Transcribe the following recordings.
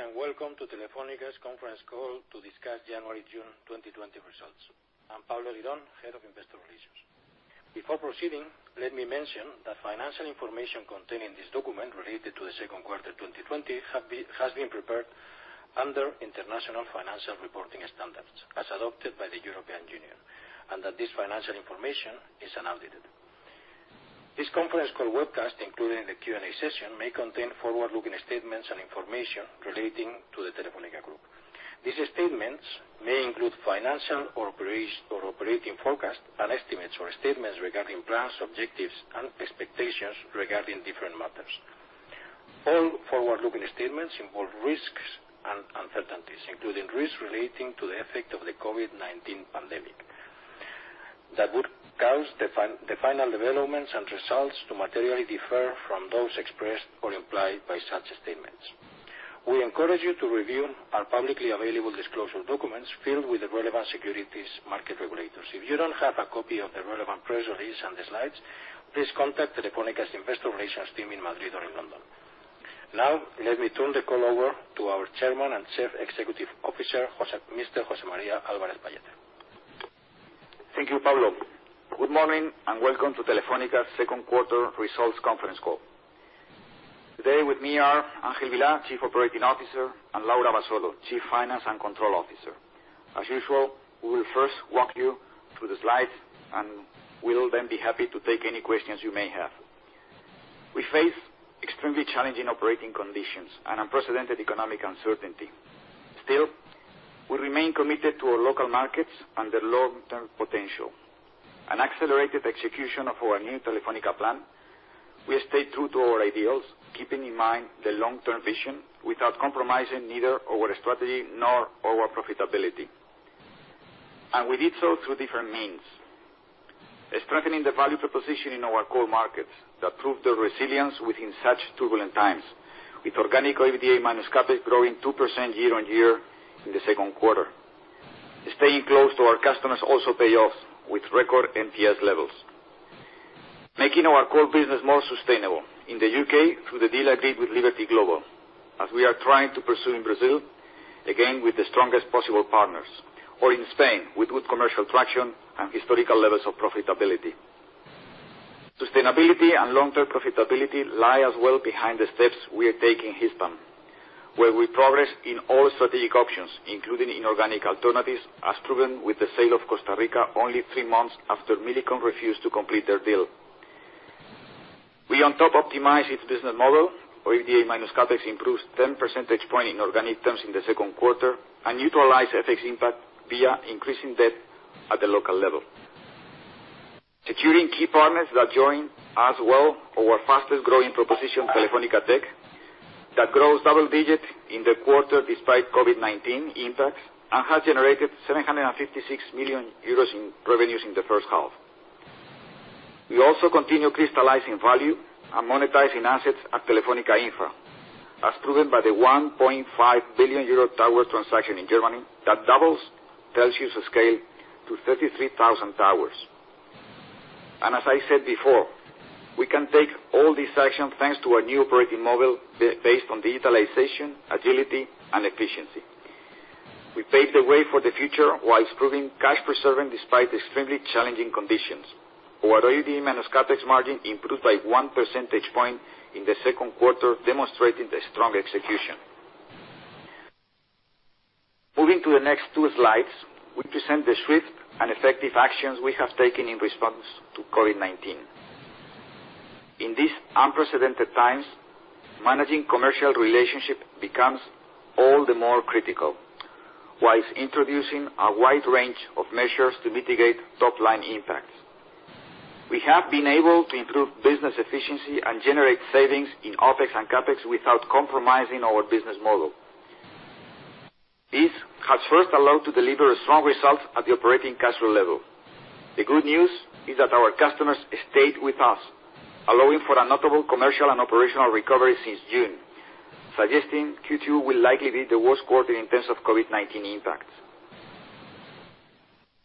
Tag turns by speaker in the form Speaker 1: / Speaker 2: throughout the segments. Speaker 1: Good morning, and welcome to Telefónica's conference call to discuss January to June 2020 results. I'm Pablo Eguiron, Head of Investor Relations. Before proceeding, let me mention that financial information contained in this document related to the second quarter 2020 has been prepared under International Financial Reporting Standards as adopted by the European Union, and that this financial information is unaudited. This conference call webcast, including the Q&A session, may contain forward-looking statements and information relating to the Telefónica Group. These statements may include financial or operating forecasts and estimates or statements regarding plans, objectives, and expectations regarding different matters. All forward-looking statements involve risks and uncertainties, including risks relating to the effect of the COVID-19 pandemic, that would cause the final developments and results to materially differ from those expressed or implied by such statements. We encourage you to review our publicly available disclosure documents filed with the relevant securities market regulators. If you don't have a copy of the relevant press release and the slides, please contact Telefónica's Investor Relations team in Madrid or in London. Let me turn the call over to our Chairman and Chief Executive Officer, Mr. José María Álvarez-Pallete.
Speaker 2: Thank you, Pablo. Good morning. Welcome to Telefónica's second quarter results conference call. Today with me are Ángel Vilá, Chief Operating Officer, and Laura Abasolo, Chief Finance and Control Officer. As usual, we will first walk you through the slides. We will then be happy to take any questions you may have. We face extremely challenging operating conditions and unprecedented economic uncertainty. Still, we remain committed to our local markets and their long-term potential. An accelerated execution of our new Telefónica plan, we stay true to our ideals, keeping in mind the long-term vision without compromising neither our strategy nor our profitability. We did so through different means. Strengthening the value proposition in our core markets that proved their resilience within such turbulent times, with organic OIBDA minus CapEx growing 2% year-on-year in the second quarter. Staying close to our customers also pay off with record NPS levels. Making our core business more sustainable in the U.K. through the deal agreed with Liberty Global, as we are trying to pursue in Brazil, again, with the strongest possible partners, or in Spain, with good commercial traction and historical levels of profitability. Sustainability and long-term profitability lie as well behind the steps we are taking in Hispam, where we progress in all strategic options, including inorganic alternatives, as proven with the sale of Costa Rica only three months after Millicom refused to complete their deal. We on top optimize its business model, OIBDA minus CapEx improves 10 percentage point in organic terms in the second quarter and neutralize FX impact via increasing debt at the local level. Securing key partners that join as well our fastest-growing proposition, Telefónica Tech, that grows double digits in the quarter despite COVID-19 impacts and has generated 756 million euros in revenues in the first half. We also continue crystallizing value and monetizing assets at Telefónica Infra, as proven by the 1.5 billion euro tower transaction in Germany that doubles Telxius' scale to 33,000 towers. As I said before, we can take all these actions thanks to our new operating model based on digitalization, agility, and efficiency. We pave the way for the future whilst proving cash preserving despite extremely challenging conditions. Our OIBDA minus CapEx margin improved by one percentage point in the second quarter, demonstrating the strong execution. Moving to the next two slides, we present the swift and effective actions we have taken in response to COVID-19. In these unprecedented times, managing commercial relationship becomes all the more critical while introducing a wide range of measures to mitigate top-line impacts. We have been able to improve business efficiency and generate savings in OpEx and CapEx without compromising our business model. This has first allowed to deliver strong results at the operating cash flow level. The good news is that our customers stayed with us, allowing for a notable commercial and operational recovery since June, suggesting Q2 will likely be the worst quarter in terms of COVID-19 impact.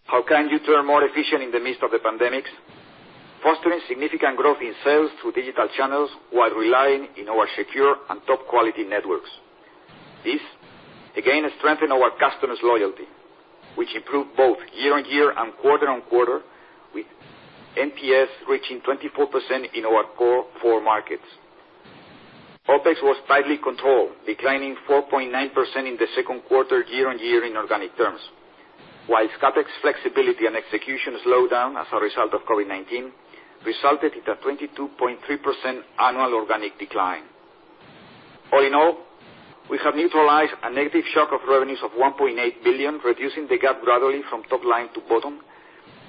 Speaker 2: How can you turn more efficient in the midst of the pandemic? Fostering significant growth in sales through digital channels while relying on our secure and top-quality networks. This again strengthen our customers' loyalty, which improved both year-over-year and quarter-over-quarter, with NPS reaching 24% in our core four markets. OpEx was tightly controlled, declining 4.9% in the second quarter year-over-year in organic terms. CapEx flexibility and execution slowed down as a result of COVID-19, resulting in a 22.3% annual organic decline. All in all, we have neutralized a negative shock of revenues of 1.8 billion, reducing the gap gradually from top line to bottom,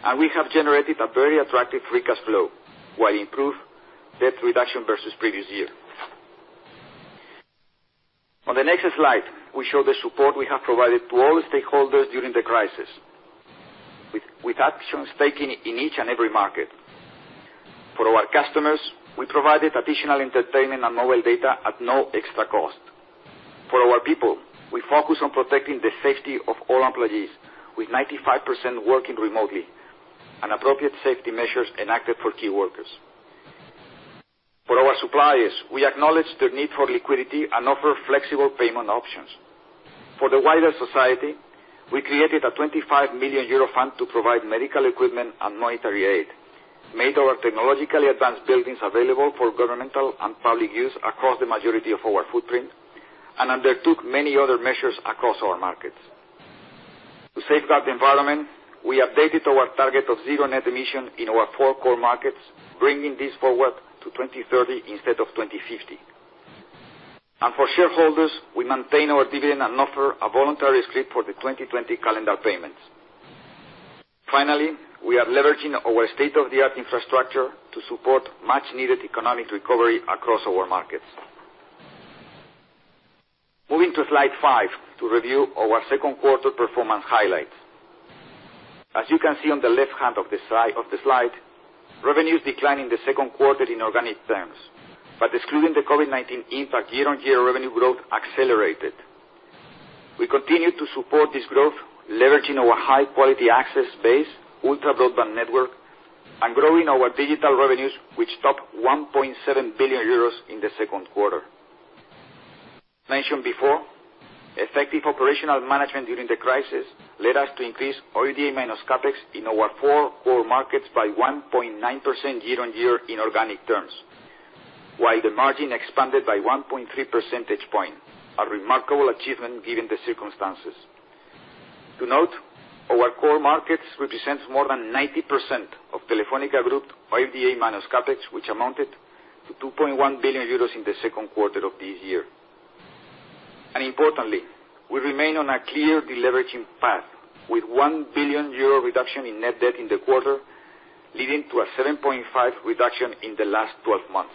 Speaker 2: and we have generated a very attractive free cash flow while improve debt reduction versus previous year. On the next slide, we show the support we have provided to all stakeholders during the crisis with actions taken in each and every market. For our customers, we provided additional entertainment and mobile data at no extra cost. For our people, we focus on protecting the safety of all employees, with 95% working remotely and appropriate safety measures enacted for key workers. For our suppliers, we acknowledge the need for liquidity and offer flexible payment options. For the wider society, we created a 25 million euro fund to provide medical equipment and monetary aid, made our technologically advanced buildings available for governmental and public use across the majority of our footprint, and undertook many other measures across our markets. To save the environment, we updated our target of zero net emission in our four core markets, bringing this forward to 2030 instead of 2050. For shareholders, we maintain our dividend and offer a voluntary scrip for the 2020 calendar payments. We are leveraging our state-of-the-art infrastructure to support much needed economic recovery across our markets. Moving to slide five to review our second quarter performance highlights. As you can see on the left hand of the slide, revenues declined in the second quarter in organic terms. Excluding the COVID-19 impact, year-on-year revenue growth accelerated. We continue to support this growth leveraging our high-quality access base, ultra broadband network, and growing our digital revenues, which topped 1.7 billion euros in the second quarter. Mentioned before, effective operational management during the crisis led us to increase OIBDA minus CapEx in our four core markets by 1.9% year-on-year in organic terms, while the margin expanded by 1.3 percentage point, a remarkable achievement given the circumstances. To note, our core markets represents more than 90% of Telefónica Group OIBDA minus CapEx, which amounted to 2.1 billion euros in the second quarter of this year. Importantly, we remain on a clear deleveraging path, with 1 billion euro reduction in net debt in the quarter, leading to a 7.5% reduction in the last 12 months.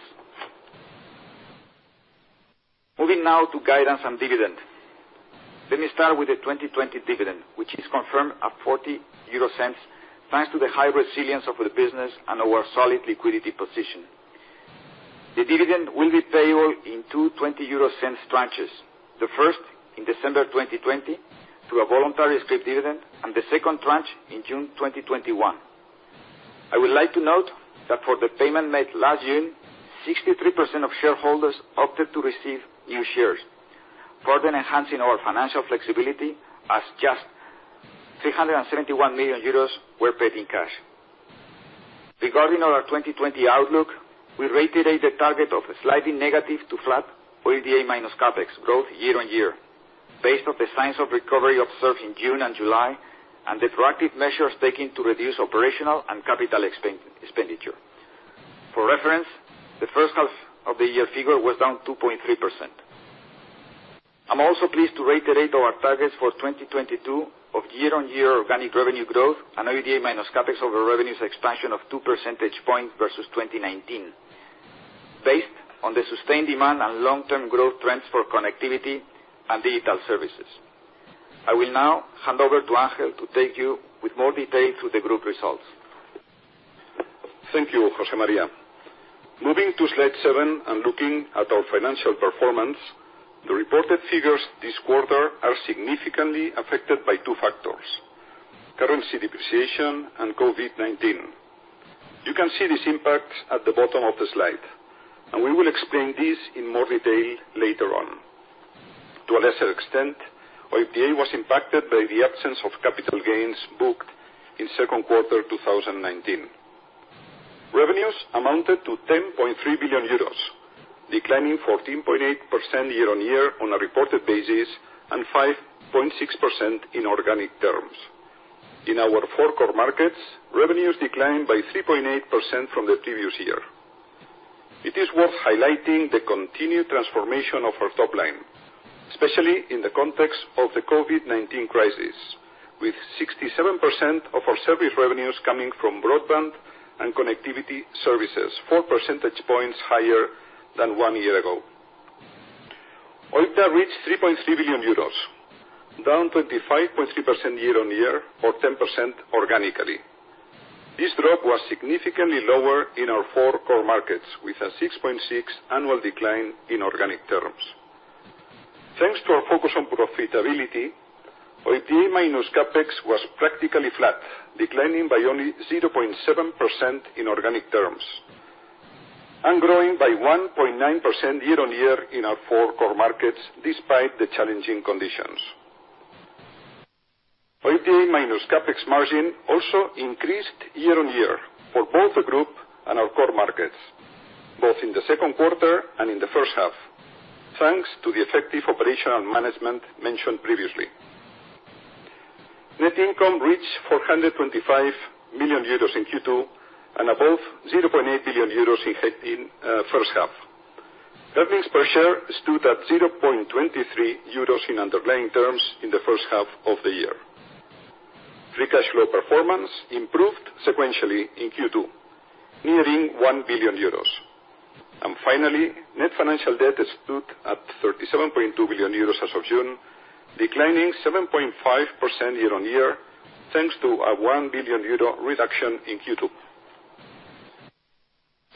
Speaker 2: Moving now to guidance and dividend. Let me start with the 2020 dividend, which is confirmed at 0.40, thanks to the high resilience of the business and our solid liquidity position. The dividend will be payable in two EUR 0.20 tranches, the first in December 2020, through a voluntary scrip dividend, and the second tranche in June 2021. I would like to note that for the payment made last June, 63% of shareholders opted to receive new shares, further enhancing our financial flexibility as just 371 million euros were paid in cash. Regarding our 2020 outlook, we reiterate the target of a slightly negative to flat OIBDA minus CapEx growth year-on-year, based on the signs of recovery observed in June and July, and the proactive measures taken to reduce operational and capital expenditure. For reference, the first half of the year figure was down 2.3%. I'm also pleased to reiterate our targets for 2022 of year-on-year organic revenue growth and OIBDA minus CapEx over revenues expansion of two percentage points versus 2019, based on the sustained demand and long-term growth trends for connectivity and digital services. I will now hand over to Ángel to take you with more detail through the group results.
Speaker 3: Thank you, José María. Moving to slide seven and looking at our financial performance, the reported figures this quarter are significantly affected by two factors: currency depreciation and COVID-19. You can see these impacts at the bottom of the slide, and we will explain this in more detail later on. To a lesser extent, OIBDA was impacted by the absence of capital gains booked in second quarter 2019. Revenues amounted to 10.3 billion euros, declining 14.8% year-on-year on a reported basis and 5.6% in organic terms. In our four core markets, revenues declined by 3.8% from the previous year. It is worth highlighting the continued transformation of our top line, especially in the context of the COVID-19 crisis, with 67% of our service revenues coming from broadband and connectivity services, four percentage points higher than one year ago. OIBDA reached 3.3 billion euros, down 25.3% year-on-year or 10% organically. This drop was significantly lower in our four core markets, with a 6.6 annual decline in organic terms. Thanks to our focus on profitability, OIBDA minus CapEx was practically flat, declining by only 0.7% in organic terms, and growing by 1.9% year-on-year in our four core markets, despite the challenging conditions. OIBDA minus CapEx margin also increased year-on-year for both the group and our core markets, both in the second quarter and in the first half, thanks to the effective operational management mentioned previously. Net income reached 425 million euros in Q2 and above 0.8 billion euros in first half. Earnings per share stood at 0.23 euros in underlying terms in the first half of the year. Free cash flow performance improved sequentially in Q2, nearing 1 billion euros. Finally, net financial debt stood at 37.2 billion euros as of June, declining 7.5% year-on-year, thanks to a 1 billion euro reduction in Q2.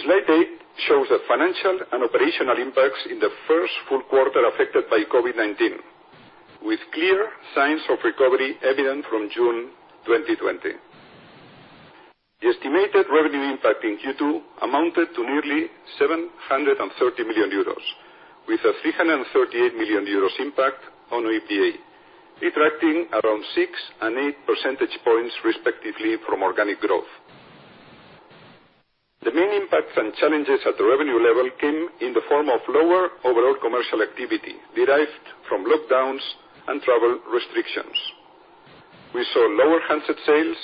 Speaker 3: Slide eight shows the financial and operational impacts in the first full quarter affected by COVID-19. With clear signs of recovery evident from June 2020. The estimated revenue impact in Q2 amounted to nearly 730 million euros, with a 338 million euros impact on OIBDA, detracting around six and eight percentage points, respectively, from organic growth. The main impacts and challenges at the revenue level came in the form of lower overall commercial activity derived from lockdowns and travel restrictions. We saw lower handset sales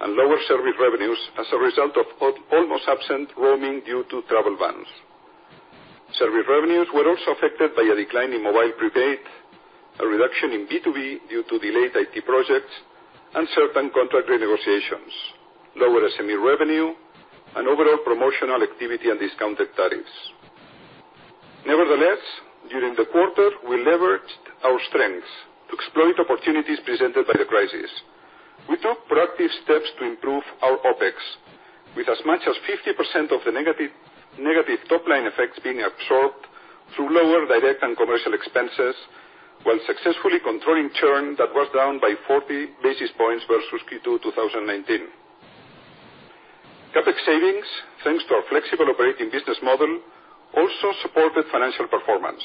Speaker 3: and lower service revenues as a result of almost absent roaming due to travel bans. Service revenues were also affected by a decline in mobile prepaid, a reduction in B2B due to delayed IT projects and certain contract renegotiations, lower SME revenue and overall promotional activity and discounted tariffs. Nevertheless, during the quarter, we leveraged our strengths to exploit opportunities presented by the crisis. We took proactive steps to improve our OpEx, with as much as 50% of the negative top-line effects being absorbed through lower direct and commercial expenses while successfully controlling churn that was down by 40 basis points versus Q2 2019. CapEx savings, thanks to our flexible operating business model, also supported financial performance.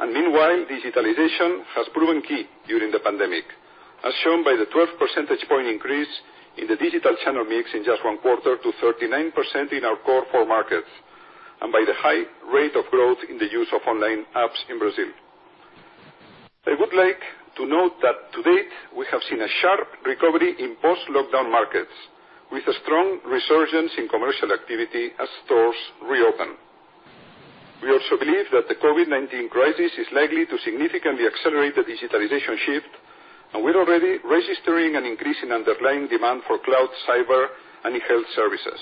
Speaker 3: Meanwhile, digitalization has proven key during the pandemic, as shown by the 12 percentage point increase in the digital channel mix in just one quarter to 39% in our core four markets, and by the high rate of growth in the use of online apps in Brazil. I would like to note that to date, we have seen a sharp recovery in post-lockdown markets with a strong resurgence in commercial activity as stores reopen. We also believe that the COVID-19 crisis is likely to significantly accelerate the digitalization shift, and we're already registering an increase in underlying demand for cloud, cyber, and e-health services.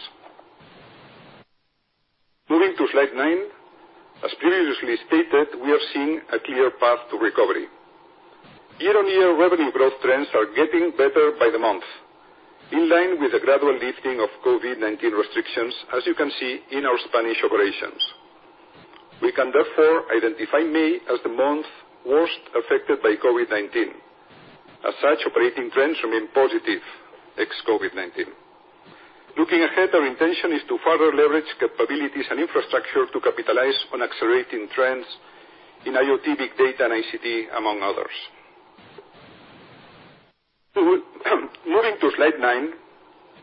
Speaker 3: Moving to slide nine. As previously stated, we are seeing a clear path to recovery. Year-on-year revenue growth trends are getting better by the month, in line with the gradual lifting of COVID-19 restrictions, as you can see in our Spanish operations. We can therefore identify May as the month worst affected by COVID-19. As such, operating trends remain positive ex-COVID-19. Looking ahead, our intention is to further leverage capabilities and infrastructure to capitalize on accelerating trends in IoT, big data and ICT, among others. Moving to slide nine,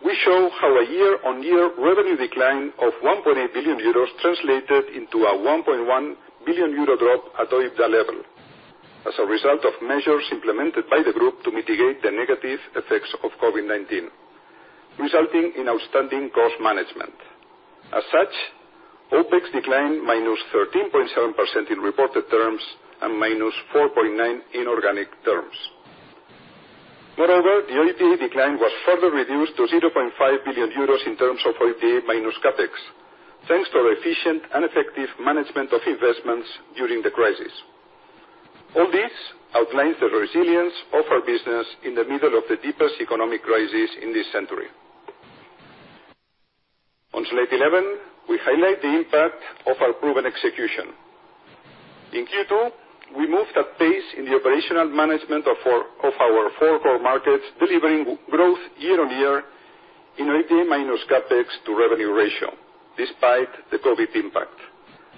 Speaker 3: we show how a year-on-year revenue decline of 1.8 billion euros translated into a 1.1 billion euro drop at OIBDA level as a result of measures implemented by the group to mitigate the negative effects of COVID-19, resulting in outstanding cost management. As such, OpEx declined -13.7% in reported terms and -4.9% in organic terms. Moreover, the OIBDA decline was further reduced to 0.5 billion euros in terms of OIBDA minus CapEx, thanks to our efficient and effective management of investments during the crisis. All this outlines the resilience of our business in the middle of the deepest economic crisis in this century. On slide 11, we highlight the impact of our proven execution. In Q2, we moved at pace in the operational management of our four core markets, delivering growth year-on-year in OIBDA minus CapEx to revenue ratio despite the COVID impact.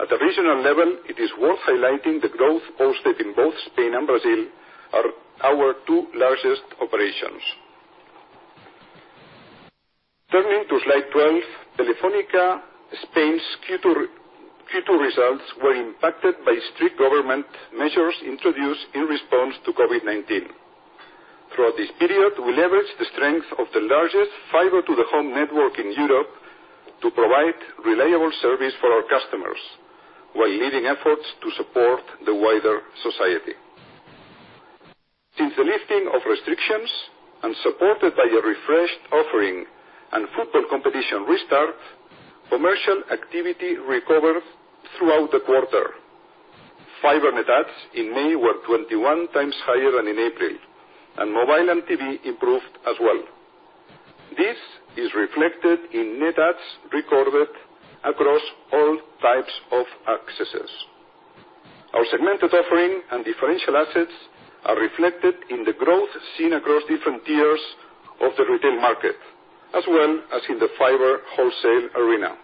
Speaker 3: At a regional level, it is worth highlighting the growth posted in both Spain and Brazil are our two largest operations. Turning to slide 12, Telefónica Spain's Q2 results were impacted by strict government measures introduced in response to COVID-19. Throughout this period, we leveraged the strength of the largest fiber-to-the-home network in Europe to provide reliable service for our customers while leading efforts to support the wider society. Since the lifting of restrictions and supported by a refreshed offering and football competition restart, commercial activity recovered throughout the quarter. Fiber net adds in May were 21x higher than in April, and mobile and TV improved as well. This is reflected in net adds recorded across all types of accesses. Our segmented offering and differential assets are reflected in the growth seen across different tiers of the retail market, as well as in the fiber wholesale arena.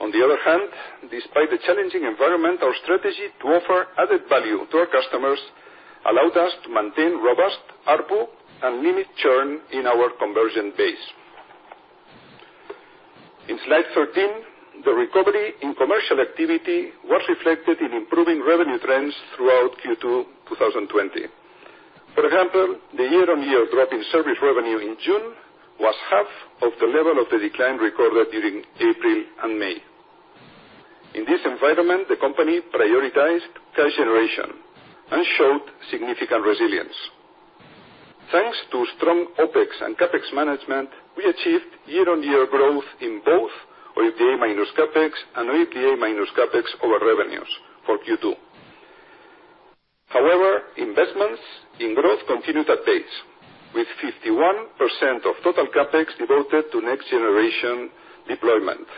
Speaker 3: On the other hand, despite the challenging environment, our strategy to offer added value to our customers allowed us to maintain robust ARPU and limit churn in our conversion base. In slide 13, the recovery in commercial activity was reflected in improving revenue trends throughout Q2 2020. For example, the year-on-year drop in service revenue in June was half of the level of the decline recorded during April and May. In this environment, the company prioritized cash generation and showed significant resilience. Thanks to strong OpEx and CapEx management, we achieved year-on-year growth in both OIBDA minus CapEx and OIBDA minus CapEx over revenues for Q2. However, investments in growth continued at pace, with 51% of total CapEx devoted to next-generation deployment,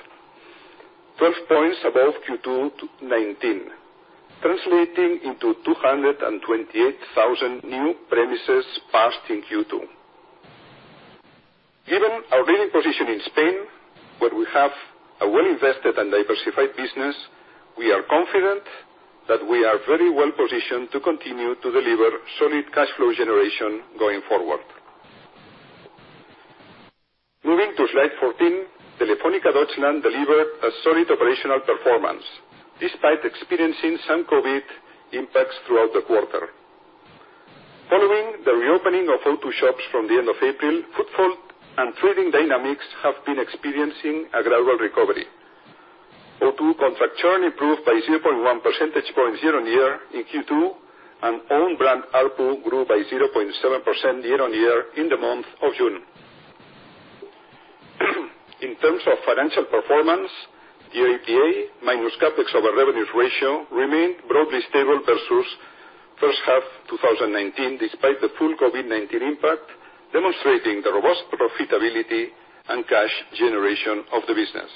Speaker 3: 12 points above Q2 2019, translating into 228,000 new premises passed in Q2. Given our leading position in Spain, where we have a well-invested and diversified business, we are confident that we are very well-positioned to continue to deliver solid cash flow generation going forward. Moving to slide 14, Telefónica Deutschland delivered a solid operational performance despite experiencing some COVID impacts throughout the quarter. Following the reopening of O2 shops from the end of April, footfall and trading dynamics have been experiencing a gradual recovery. O2 contract churn improved by 0.1 percentage points year-on-year in Q2, and own brand ARPU grew by 0.7% year-on-year in the month of June. In terms of financial performance, the EBITDA minus CapEx over revenues ratio remained broadly stable versus first half 2019 despite the full COVID-19 impact, demonstrating the robust profitability and cash generation of the business.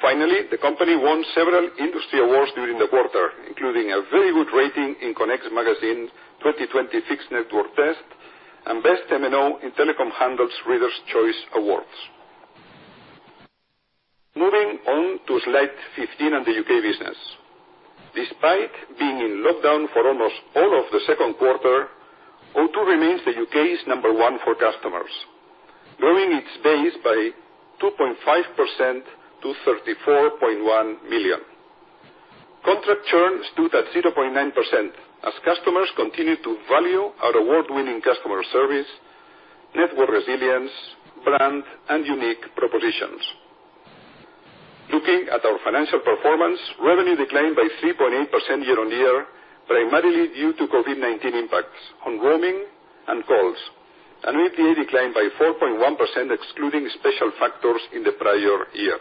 Speaker 3: Finally, the company won several industry awards during the quarter, including a very good rating in connect's 2020 fixed network test and Best MNO in Telecom Handel's Readers' Choice Awards. Moving on to slide 15 and the U.K. business. Despite being in lockdown for almost all of the second quarter, O2 remains the U.K.'s number one for customers, growing its base by 2.5% to 34.1 million. Contract churn stood at 0.9% as customers continue to value our award-winning customer service, network resilience, brand, and unique propositions. Looking at our financial performance, revenue declined by 3.8% year-on-year, primarily due to COVID-19 impacts on roaming and calls, and EBITDA declined by 4.1%, excluding special factors in the prior year.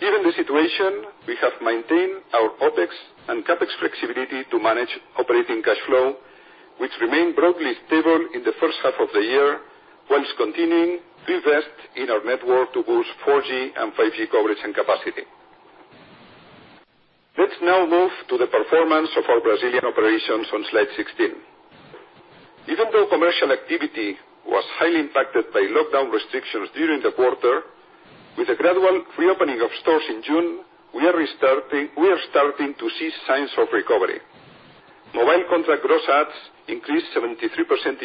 Speaker 3: Given the situation, we have maintained our OpEx and CapEx flexibility to manage operating cash flow, which remained broadly stable in the first half of the year, whilst continuing to invest in our network to boost 4G and 5G coverage and capacity. Let's now move to the performance of our Brazilian operations on slide 16. Even though commercial activity was highly impacted by lockdown restrictions during the quarter, with the gradual reopening of stores in June, we are starting to see signs of recovery. Mobile contract gross adds increased 73%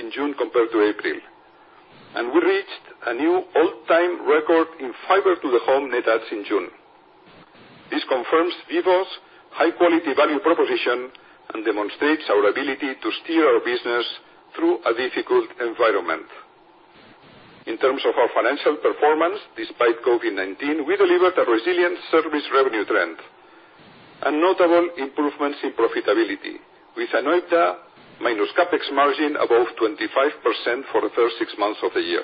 Speaker 3: in June compared to April, and we reached a new all-time record in fiber-to-the-home net adds in June. This confirms Vivo's high-quality value proposition and demonstrates our ability to steer our business through a difficult environment. In terms of our financial performance, despite COVID-19, we delivered a resilient service revenue trend and notable improvements in profitability, with an OIBDA minus CapEx margin above 25% for the first six months of the year.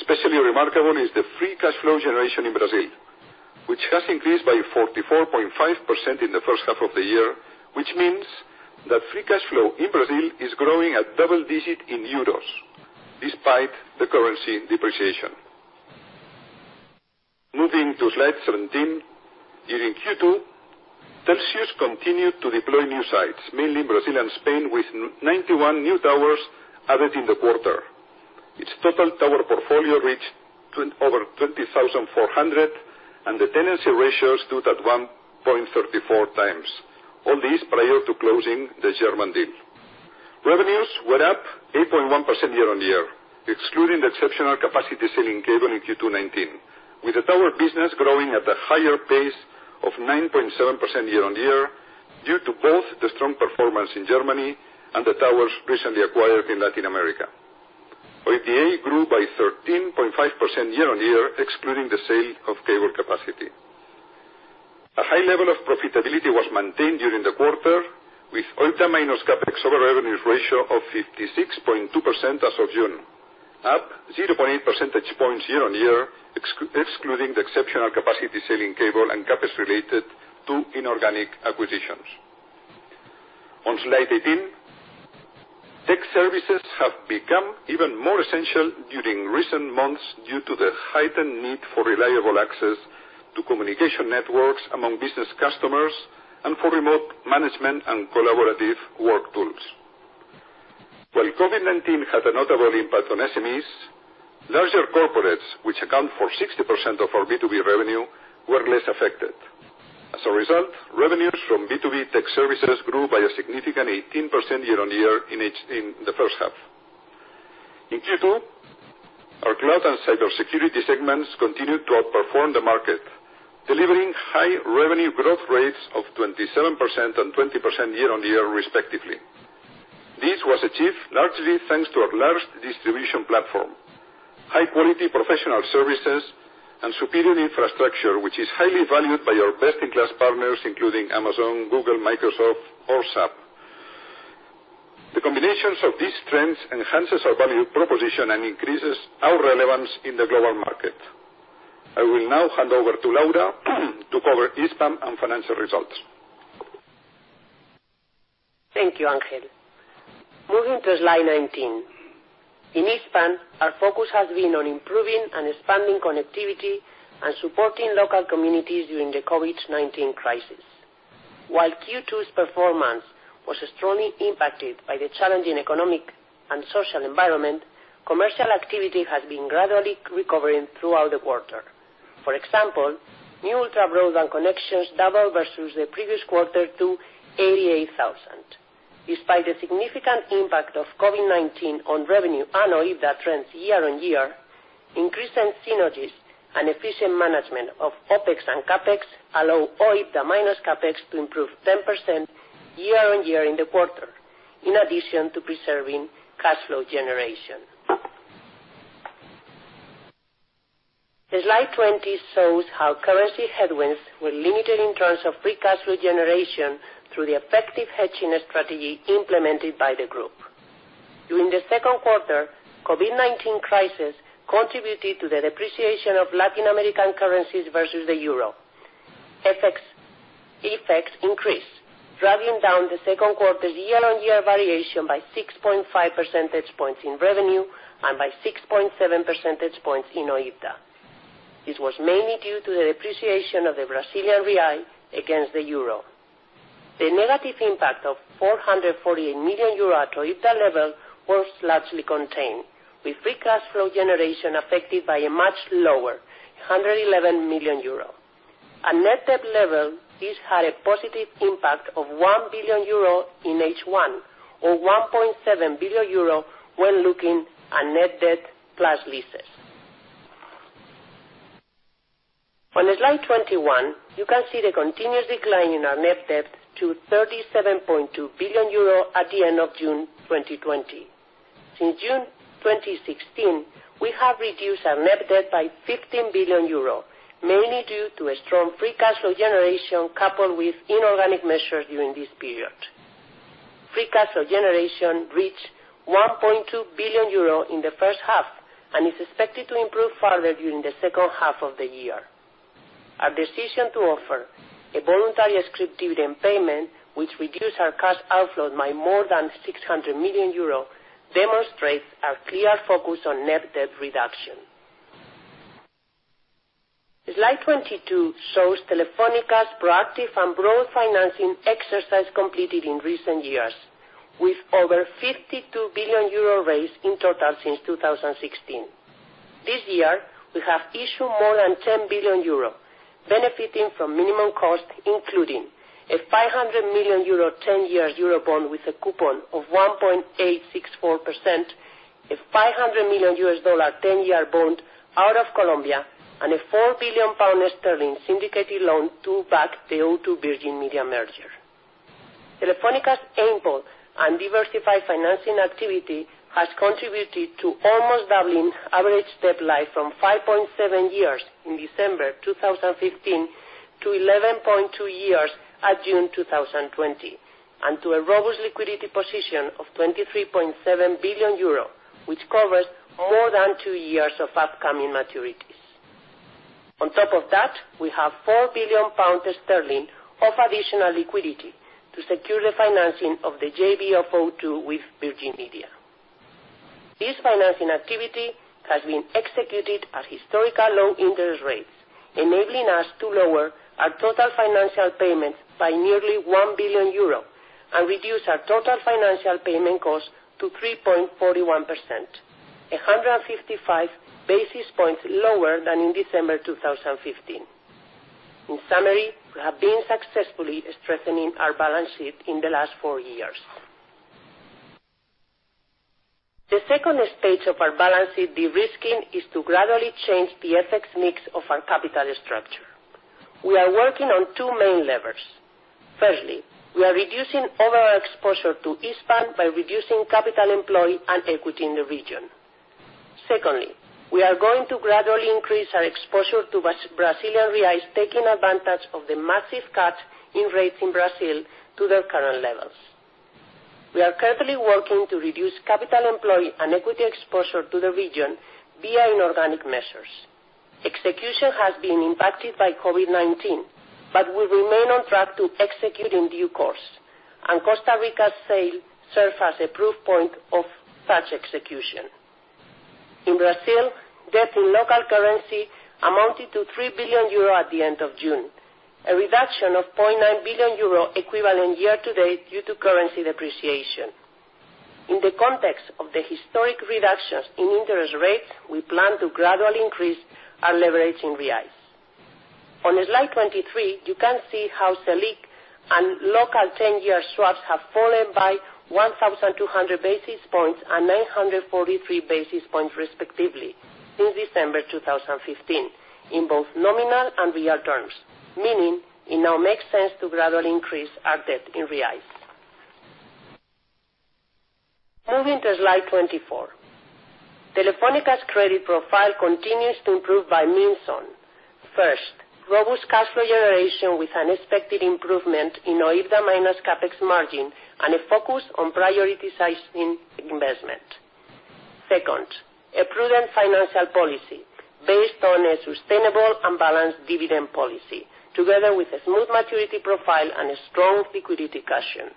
Speaker 3: Especially remarkable is the free cash flow generation in Brazil, which has increased by 44.5% in the first half of the year, which means that free cash flow in Brazil is growing at double digits in EUR despite the currency depreciation. Moving to slide 17. During Q2, Telxius continued to deploy new sites, mainly in Brazil and Spain, with 91 new towers added in the quarter. Its total tower portfolio reached over 20,400, and the tenancy ratio stood at 1.34x. All this prior to closing the German deal. Revenues were up 8.1% year-on-year, excluding the exceptional capacity sale in cable in Q2 2019, with the tower business growing at a higher pace of 9.7% year-on-year due to both the strong performance in Germany and the towers recently acquired in Latin America. OIBDA grew by 13.5% year-on-year, excluding the sale of cable capacity. A high level of profitability was maintained during the quarter, with OIBDA minus CapEx over revenues ratio of 56.2% as of June, up 0.8 percentage points year-on-year, excluding the exceptional capacity sale in cable and CapEx related to inorganic acquisitions. On slide 18, tech services have become even more essential during recent months due to the heightened need for reliable access to communication networks among business customers and for remote management and collaborative work tools. While COVID-19 had a notable impact on SMEs, larger corporates, which account for 60% of our B2B revenue, were less affected. As a result, revenues from B2B tech services grew by a significant 18% year-on-year in the first half. In Q2, our cloud and cybersecurity segments continued to outperform the market, delivering high revenue growth rates of 27% and 20% year-on-year respectively. This was achieved largely thanks to our large distribution platform, high-quality professional services, and superior infrastructure, which is highly valued by our best-in-class partners, including Amazon, Google, Microsoft or SAP. The combinations of these trends enhances our value proposition and increases our relevance in the global market. I will now hand over to Laura to cover Hispam and financial results.
Speaker 4: Thank you, Ángel. Moving to slide 19. In Hispam, our focus has been on improving and expanding connectivity and supporting local communities during the COVID-19 crisis. While Q2's performance was strongly impacted by the challenging economic and social environment, commercial activity has been gradually recovering throughout the quarter. For example, new ultra broadband connections doubled versus the previous quarter to 88,000. Despite the significant impact of COVID-19 on revenue and OIBDA trends year-on-year, increased synergies and efficient management of OpEx and CapEx allow OIBDA minus CapEx to improve 10% year-on-year in the quarter, in addition to preserving cash flow generation. The slide 20 shows how currency headwinds were limited in terms of free cash flow generation through the effective hedging strategy implemented by the group. During the second quarter, COVID-19 crisis contributed to the depreciation of Latin American currencies versus the Euro. Effects increased, driving down the second quarter's year-on-year variation by 6.5 percentage points in revenue and by 6.7 percentage points in OIBDA. This was mainly due to the depreciation of the Brazilian real against the Euro. The negative impact of 448 million euro at OIBDA level was largely contained, with free cash flow generation affected by a much lower 111 million euro. At net debt level, this had a positive impact of 1 billion euro in H1, or 1.7 billion euro when looking at net debt plus leases. On slide 21, you can see the continuous decline in our net debt to 37.2 billion euro at the end of June 2020. Since June 2016, we have reduced our net debt by 15 billion euros, mainly due to a strong free cash flow generation coupled with inorganic measures during this period. Free cash flow generation reached 1.2 billion euro in the first half and is expected to improve further during the second half of the year. Our decision to offer a voluntary scrip dividend payment, which reduced our cash outflow by more than 600 million euros, demonstrates our clear focus on net debt reduction. Slide 22 shows Telefónica's proactive and broad financing exercise completed in recent years, with over 52 billion euro raised in total since 2016. This year, we have issued more than 10 billion euro, benefiting from minimum cost, including a 500 million euro 10-year Euro bond with a coupon of 1.864%, a $500 million 10-year bond out of Colombia, and a 4 billion sterling syndicated loan to back the O2 Virgin Media merger. Telefónica's ample and diversified financing activity has contributed to almost doubling average debt life from 5.7 years in December 2015 to 11.2 years at June 2020, and to a robust liquidity position of 23.7 billion euro, which covers more than two years of upcoming maturities. On top of that, we have 4 billion pounds of additional liquidity to secure the financing of the JV of O2 with Virgin Media. This financing activity has been executed at historical low interest rates, enabling us to lower our total financial payments by nearly 1 billion euro and reduce our total financial payment cost to 3.41%, 155 basis points lower than in December 2015. In summary, we have been successfully strengthening our balance sheet in the last four years. The second stage of our balance sheet de-risking is to gradually change the FX mix of our capital structure. We are working on two main levers. Firstly, we are reducing overall exposure to Hispam by reducing capital employed and equity in the region. Secondly, we are going to gradually increase our exposure to Brazilian reais, taking advantage of the massive cuts in rates in Brazil to their current levels. We are currently working to reduce capital employed and equity exposure to the region via inorganic measures. Execution has been impacted by COVID-19, but we remain on track to execute in due course, and Costa Rica's sale serves as a proof point of such execution. In Brazil, debt in local currency amounted to 3 billion euro at the end of June, a reduction of 0.9 billion euro equivalent year-to-date due to currency depreciation. In the context of the historic reductions in interest rates, we plan to gradually increase our leverage in reais. On slide 23, you can see how Selic and local 10-year swaps have fallen by 1,200 basis points and 943 basis points respectively since December 2015 in both nominal and real terms, meaning it now makes sense to gradually increase our debt in reais. Moving to slide 24. Telefónica's credit profile continues to improve by means on. First, robust cash flow generation with an expected improvement in OIBDA minus CapEx margin and a focus on prioritizing investment. Second, a prudent financial policy based on a sustainable and balanced dividend policy, together with a smooth maturity profile and a strong liquidity cushion.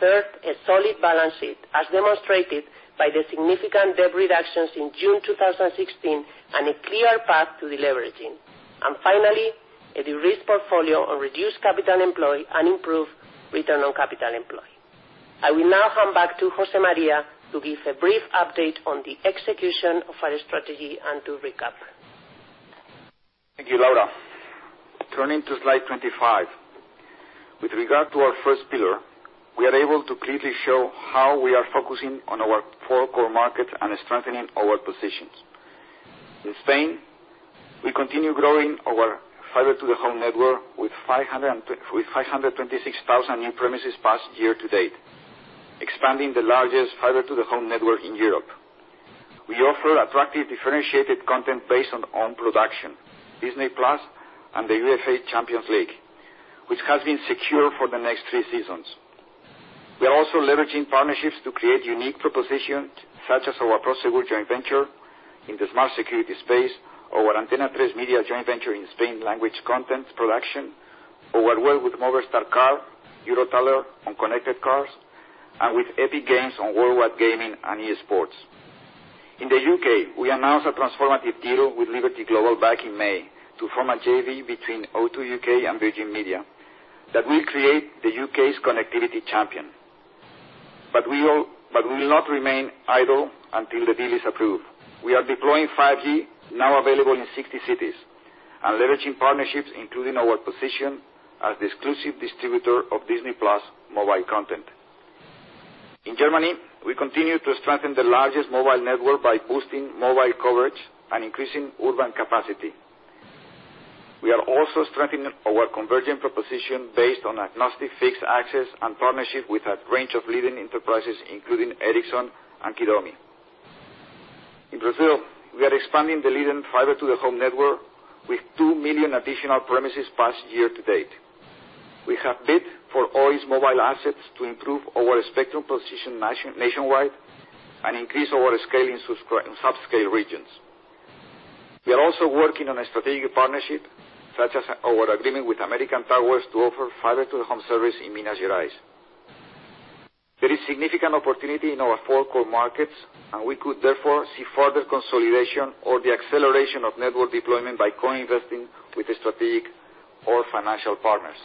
Speaker 4: Third, a solid balance sheet as demonstrated by the significant debt reductions in June 2016 and a clear path to deleveraging. Finally, a de-risked portfolio on reduced capital employed and improved return on capital employed. I will now hand back to José María to give a brief update on the execution of our strategy and to recap.
Speaker 2: Thank you, Laura. Turning to slide 25. With regard to our first pillar, we are able to clearly show how we are focusing on our four core markets and strengthening our positions. In Spain, we continue growing our fiber-to-the-home network with 526,000 new premises passed year to date, expanding the largest fiber-to-the-home network in Europe. We offer attractive differentiated content based on own production, Disney+ and the UEFA Champions League, which has been secure for the next three seasons. We are also leveraging partnerships to create unique propositions such as our Prosegur joint venture in the smart security space, our Antena 3 Media joint venture in Spain language content production, our work with Movistar Car, Eurotunnel on connected cars, and with Epic Games on worldwide gaming and esports. In the U.K., we announced a transformative deal with Liberty Global back in May to form a JV between O2 UK and Virgin Media that will create the U.K.'s connectivity champion. We will not remain idle until the deal is approved. We are deploying 5G, now available in 60 cities, and leveraging partnerships, including our position as the exclusive distributor of Disney+ mobile content. In Germany, we continue to strengthen the largest mobile network by boosting mobile coverage and increasing urban capacity. We are also strengthening our convergent proposition based on agnostic fixed access and partnership with a range of leading enterprises, including Ericsson and Kidomi. In Brazil, we are expanding the leading fiber-to-the-home network with 2 million additional premises passed year to date. We have bid for Oi's mobile assets to improve our spectrum position nationwide and increase our scale in subscale regions. We are also working on a strategic partnership, such as our agreement with American Tower to offer fiber-to-the-home service in Minas Gerais. There is significant opportunity in our four core markets. We could therefore see further consolidation or the acceleration of network deployment by co-investing with strategic or financial partners.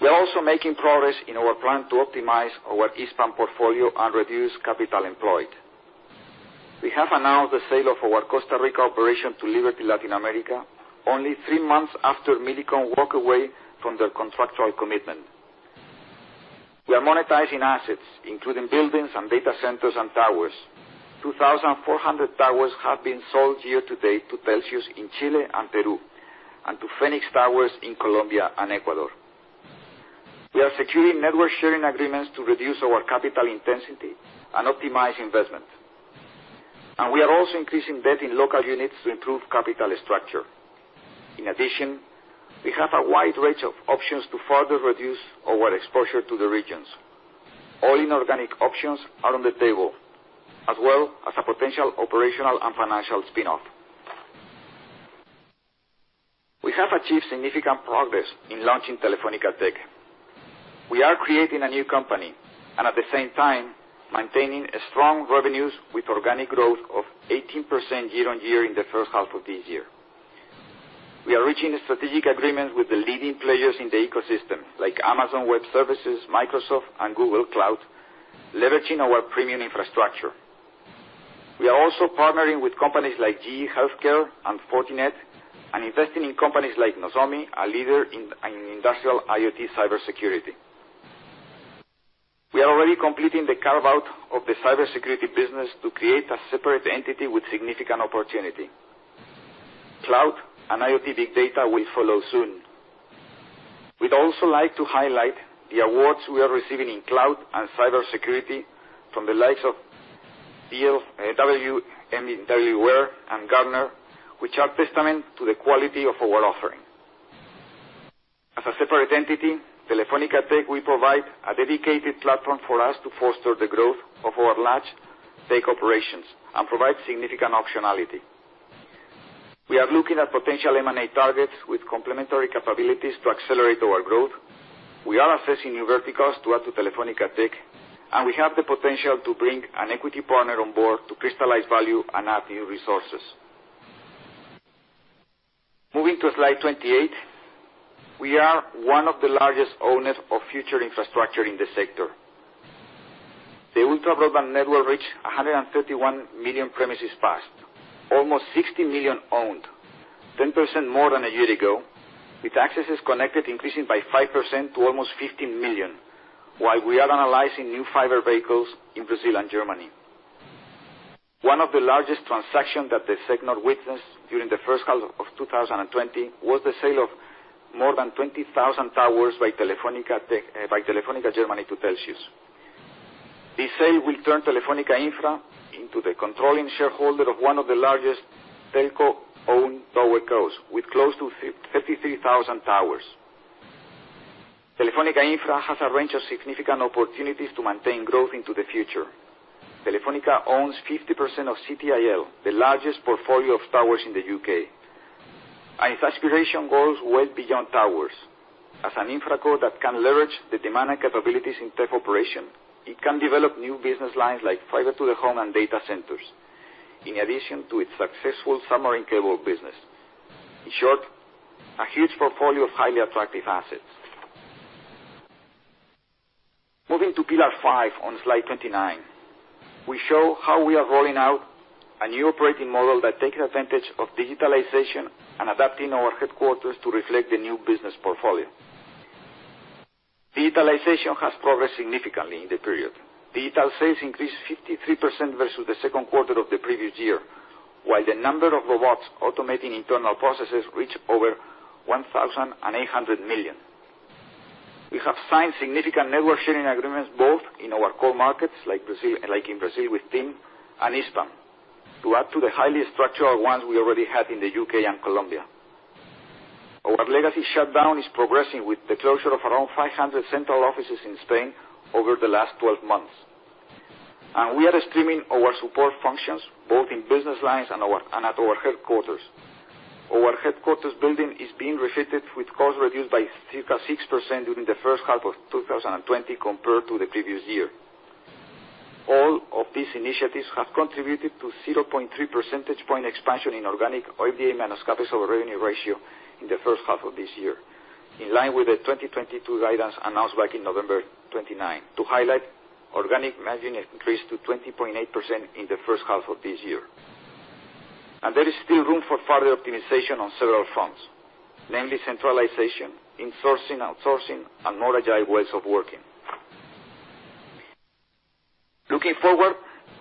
Speaker 2: We are also making progress in our plan to optimize our Hispam portfolio and reduce capital employed. We have announced the sale of our Costa Rica operation to Liberty Latin America only three months after Millicom walked away from their contractual commitment. We are monetizing assets, including buildings and data centers and towers. 2,400 towers have been sold year to date to Telxius in Chile and Peru, and to Phoenix Towers in Colombia and Ecuador. We are securing network sharing agreements to reduce our capital intensity and optimize investment. We are also increasing debt in local units to improve capital structure. In addition, we have a wide range of options to further reduce our exposure to the regions. All inorganic options are on the table, as well as a potential operational and financial spin-off. We have achieved significant progress in launching Telefónica Tech. We are creating a new company and at the same time maintaining strong revenues with organic growth of 18% year-over-year in the first half of this year. We are reaching strategic agreements with the leading players in the ecosystem like Amazon Web Services, Microsoft, and Google Cloud, leveraging our premium infrastructure. We are also partnering with companies like GE Healthcare and Fortinet and investing in companies like Nozomi, a leader in industrial IoT cybersecurity. We are already completing the carve-out of the cybersecurity business to create a separate entity with significant opportunity. Cloud and IoT big data will follow soon. We'd also like to highlight the awards we are receiving in cloud and cybersecurity from the likes of DLW and Gartner, which are testament to the quality of our offering. As a separate entity, Telefónica Tech will provide a dedicated platform for us to foster the growth of our large tech operations and provide significant optionality. We are looking at potential M&A targets with complementary capabilities to accelerate our growth. We are assessing new verticals to add to Telefónica Tech, and we have the potential to bring an equity partner on board to crystallize value and add new resources. Moving to slide 28. We are one of the largest owners of future infrastructure in the sector. The ultra-broadband network reached 131 million premises passed, almost 60 million owned, 10% more than a year ago, with accesses connected increasing by 5% to almost 15 million, while we are analyzing new fiber vehicles in Brazil and Germany. One of the largest transactions that the sector witnessed during the first half of 2020 was the sale of more than 20,000 towers by Telefónica Germany to Telxius. This sale will turn Telefónica Infra into the controlling shareholder of one of the largest telco-owned towercos, with close to 33,000 towers. Telefónica Infra has a range of significant opportunities to maintain growth into the future. Telefónica owns 50% of CTIL, the largest portfolio of towers in the U.K. Its aspiration goes well beyond towers. As an infra co that can leverage the demand and capabilities in tech operation, it can develop new business lines like fiber-to-the-home and data centers, in addition to its successful submarine cable business. In short, a huge portfolio of highly attractive assets. Moving to pillar five on slide 29. We show how we are rolling out a new operating model that takes advantage of digitalization and adapting our headquarters to reflect the new business portfolio. Digitalization has progressed significantly in the period. Digital sales increased 53% versus the second quarter of the previous year, while the number of robots automating internal processes reached over 1,800 million. We have signed significant network sharing agreements, both in our core markets, like in Brazil with TIM and Hispam, to add to the highly structural ones we already have in the U.K. and Colombia. Our legacy shutdown is progressing with the closure of around 500 central offices in Spain over the last 12 months. We are streamlining our support functions, both in business lines and at our headquarters. Our headquarters building is being refitted with costs reduced by 6% during the first half of 2020 compared to the previous year. All of these initiatives have contributed to 0.3 percentage point expansion in organic OIBDA minus CapEx over revenue ratio in the first half of this year, in line with the 2022 guidance announced back in November 2029. To highlight, organic margin increased to 20.8% in the first half of this year. There is still room for further optimization on several fronts, namely centralization, insourcing, outsourcing, and more agile ways of working. Looking forward,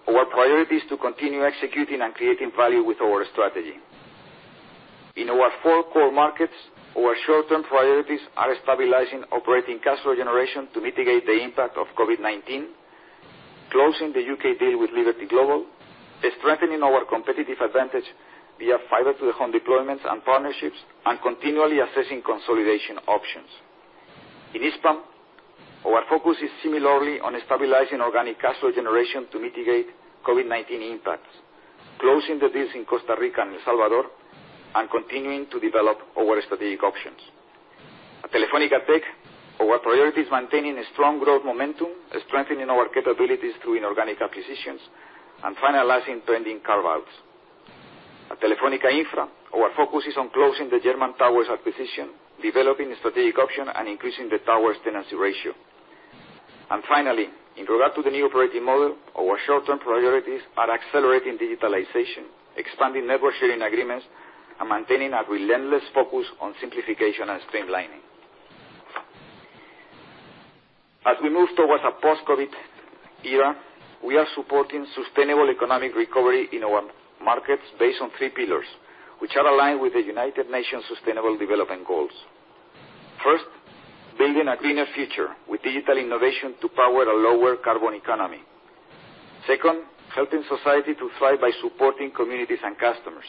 Speaker 2: our priority is to continue executing and creating value with our strategy. In our four core markets, our short-term priorities are stabilizing operating cash flow generation to mitigate the impact of COVID-19, closing the U.K. deal with Liberty Global, strengthening our competitive advantage via fiber-to-the-home deployments and partnerships, and continually assessing consolidation options. In Hispam, our focus is similarly on stabilizing organic cash flow generation to mitigate COVID-19 impacts, closing the deals in Costa Rica and El Salvador, and continuing to develop our strategic options. At Telefónica Tech, our priority is maintaining a strong growth momentum, strengthening our capabilities through inorganic acquisitions, and finalizing pending carve-outs. At Telefónica Infra, our focus is on closing the German towers acquisition, developing strategic option, and increasing the towers tenancy ratio. Finally, in regard to the new operating model, our short-term priorities are accelerating digitalization, expanding network sharing agreements, and maintaining a relentless focus on simplification and streamlining. As we move towards a post-COVID era, we are supporting sustainable economic recovery in our markets based on three pillars, which are aligned with the United Nations Sustainable Development Goals. First, building a greener future with digital innovation to power a lower carbon economy. Second, helping society to thrive by supporting communities and customers.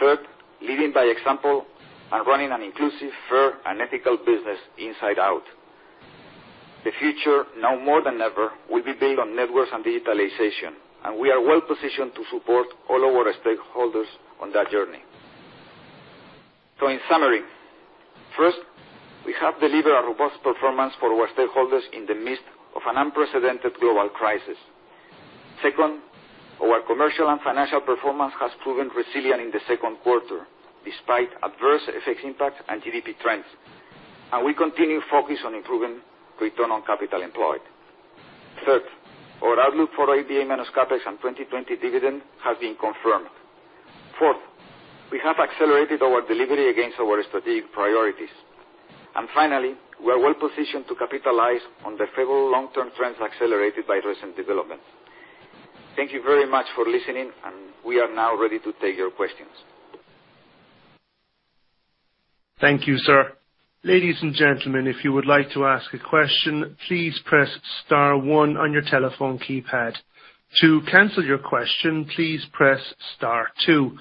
Speaker 2: Third, leading by example and running an inclusive, fair, and ethical business inside out. The future, now more than ever, will be built on networks and digitalization, and we are well-positioned to support all our stakeholders on that journey. In summary, first, we have delivered a robust performance for our stakeholders in the midst of an unprecedented global crisis. Second, our commercial and financial performance has proven resilient in the second quarter, despite adverse FX impact and GDP trends. We continue focus on improving return on capital employed. Third, our outlook for OIBDA minus CapEx and 2020 dividend has been confirmed. Fourth, we have accelerated our delivery against our strategic priorities. Finally, we are well-positioned to capitalize on the favorable long-term trends accelerated by recent developments. Thank you very much for listening, and we are now ready to take your questions.
Speaker 5: Thank you, sir. Ladies and gentlemen, if you would like to ask a question, please press star one on your telephone keypad. To cancel your question, please press star two.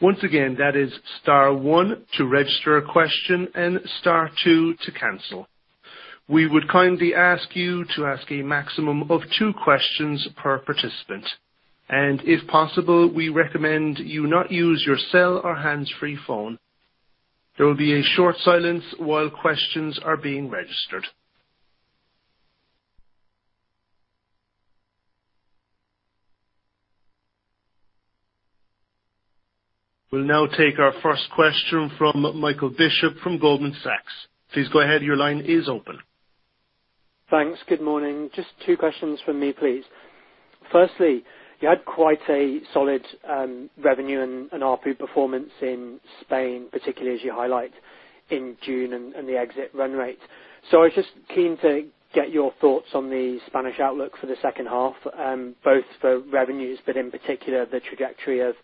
Speaker 5: Once again, that is star one to register a question and star two to cancel. We would kindly ask you to ask a maximum of two questions per participant. If possible, we recommend you not use your cell or hands-free phone. There will be a short silence while questions are being registered. We will now take our first question from Michael Bishop from Goldman Sachs. Please go ahead, your line is open.
Speaker 6: Thanks. Good morning. Just two questions from me, please. Firstly, you had quite a solid revenue and ARPU performance in Spain, particularly as you highlight in June and the exit run rate. I was just keen to get your thoughts on the Spanish outlook for the second half, both for revenues, but in particular, the trajectory of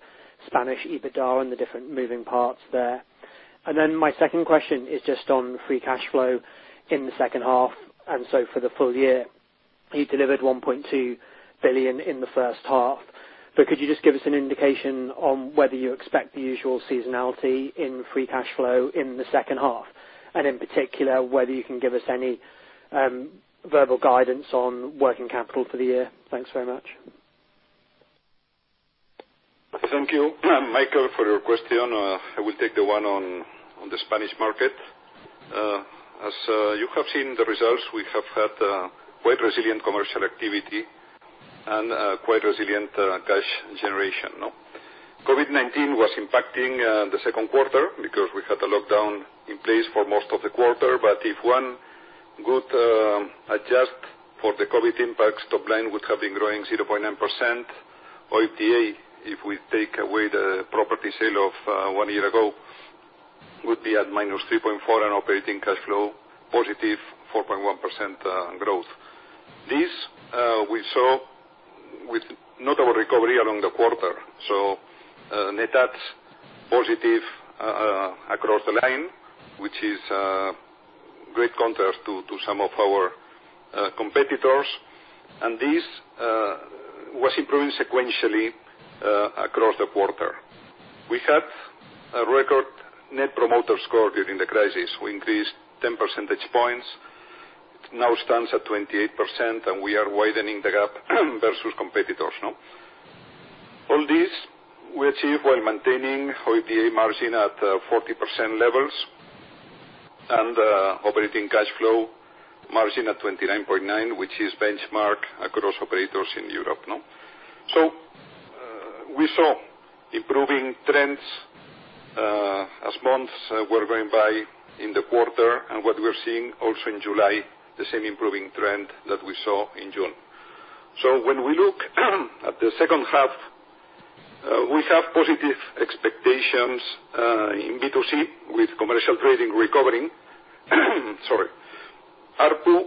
Speaker 6: Spanish EBITDA and the different moving parts there. My second question is just on free cash flow in the second half, for the full year. You delivered 1.2 billion in the first half. Could you just give us an indication on whether you expect the usual seasonality in free cash flow in the second half, and in particular, whether you can give us any verbal guidance on working capital for the year? Thanks very much.
Speaker 3: Thank you, Michael, for your question. I will take the one on the Spanish market. As you have seen the results, we have had quite resilient commercial activity and quite resilient cash generation. COVID-19 was impacting the second quarter because we had a lockdown in place for most of the quarter. If one could adjust for the COVID impact, top line would have been growing 0.9%, OIBDA, if we take away the property sale of one year ago, would be at -3.4 on operating cash flow, +4.1% growth. This we saw with notable recovery along the quarter. Net adds positive across the line, which is great contrast to some of our competitors. This was improving sequentially across the quarter. We had a record Net Promoter Score during the crisis. We increased 10 percentage points. It now stands at 28%, and we are widening the gap versus competitors. All this we achieve while maintaining OIBDA margin at 40% levels and operating cash flow margin at 29.9, which is benchmark across operators in Europe. We saw improving trends as months were going by in the quarter, and what we are seeing also in July, the same improving trend that we saw in June. When we look at the second half, we have positive expectations in B2C with commercial trading recovering. Sorry. ARPU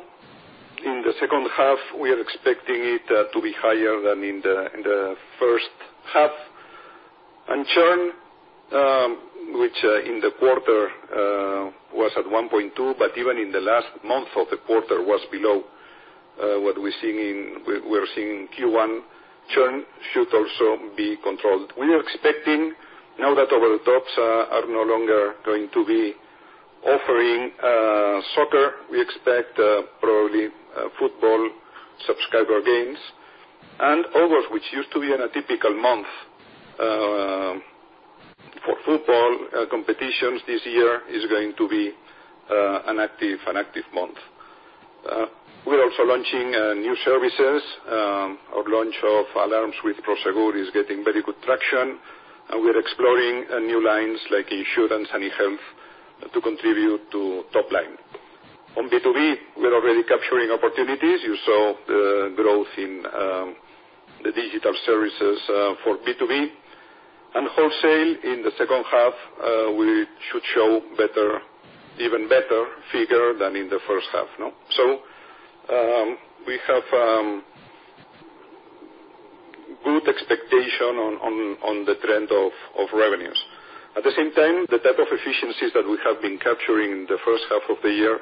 Speaker 3: in the second half, we are expecting it to be higher than in the first half. Churn, which in the quarter was at 1.2, but even in the last month of the quarter was below what we're seeing Q1 churn should also be controlled. We are expecting now that our tops are no longer going to be offering soccer. We expect probably football subscriber gains. August, which used to be in a typical month for football competitions this year, is going to be an active month. We're also launching new services. Our launch of alarms with Prosegur is getting very good traction, and we're exploring new lines like insurance and e-health to contribute to top line. On B2B, we're already capturing opportunities. You saw the growth in the digital services for B2B. Wholesale in the second half, we should show even better figure than in the first half. We have good expectation on the trend of revenues. At the same time, the type of efficiencies that we have been capturing in the first half of the year,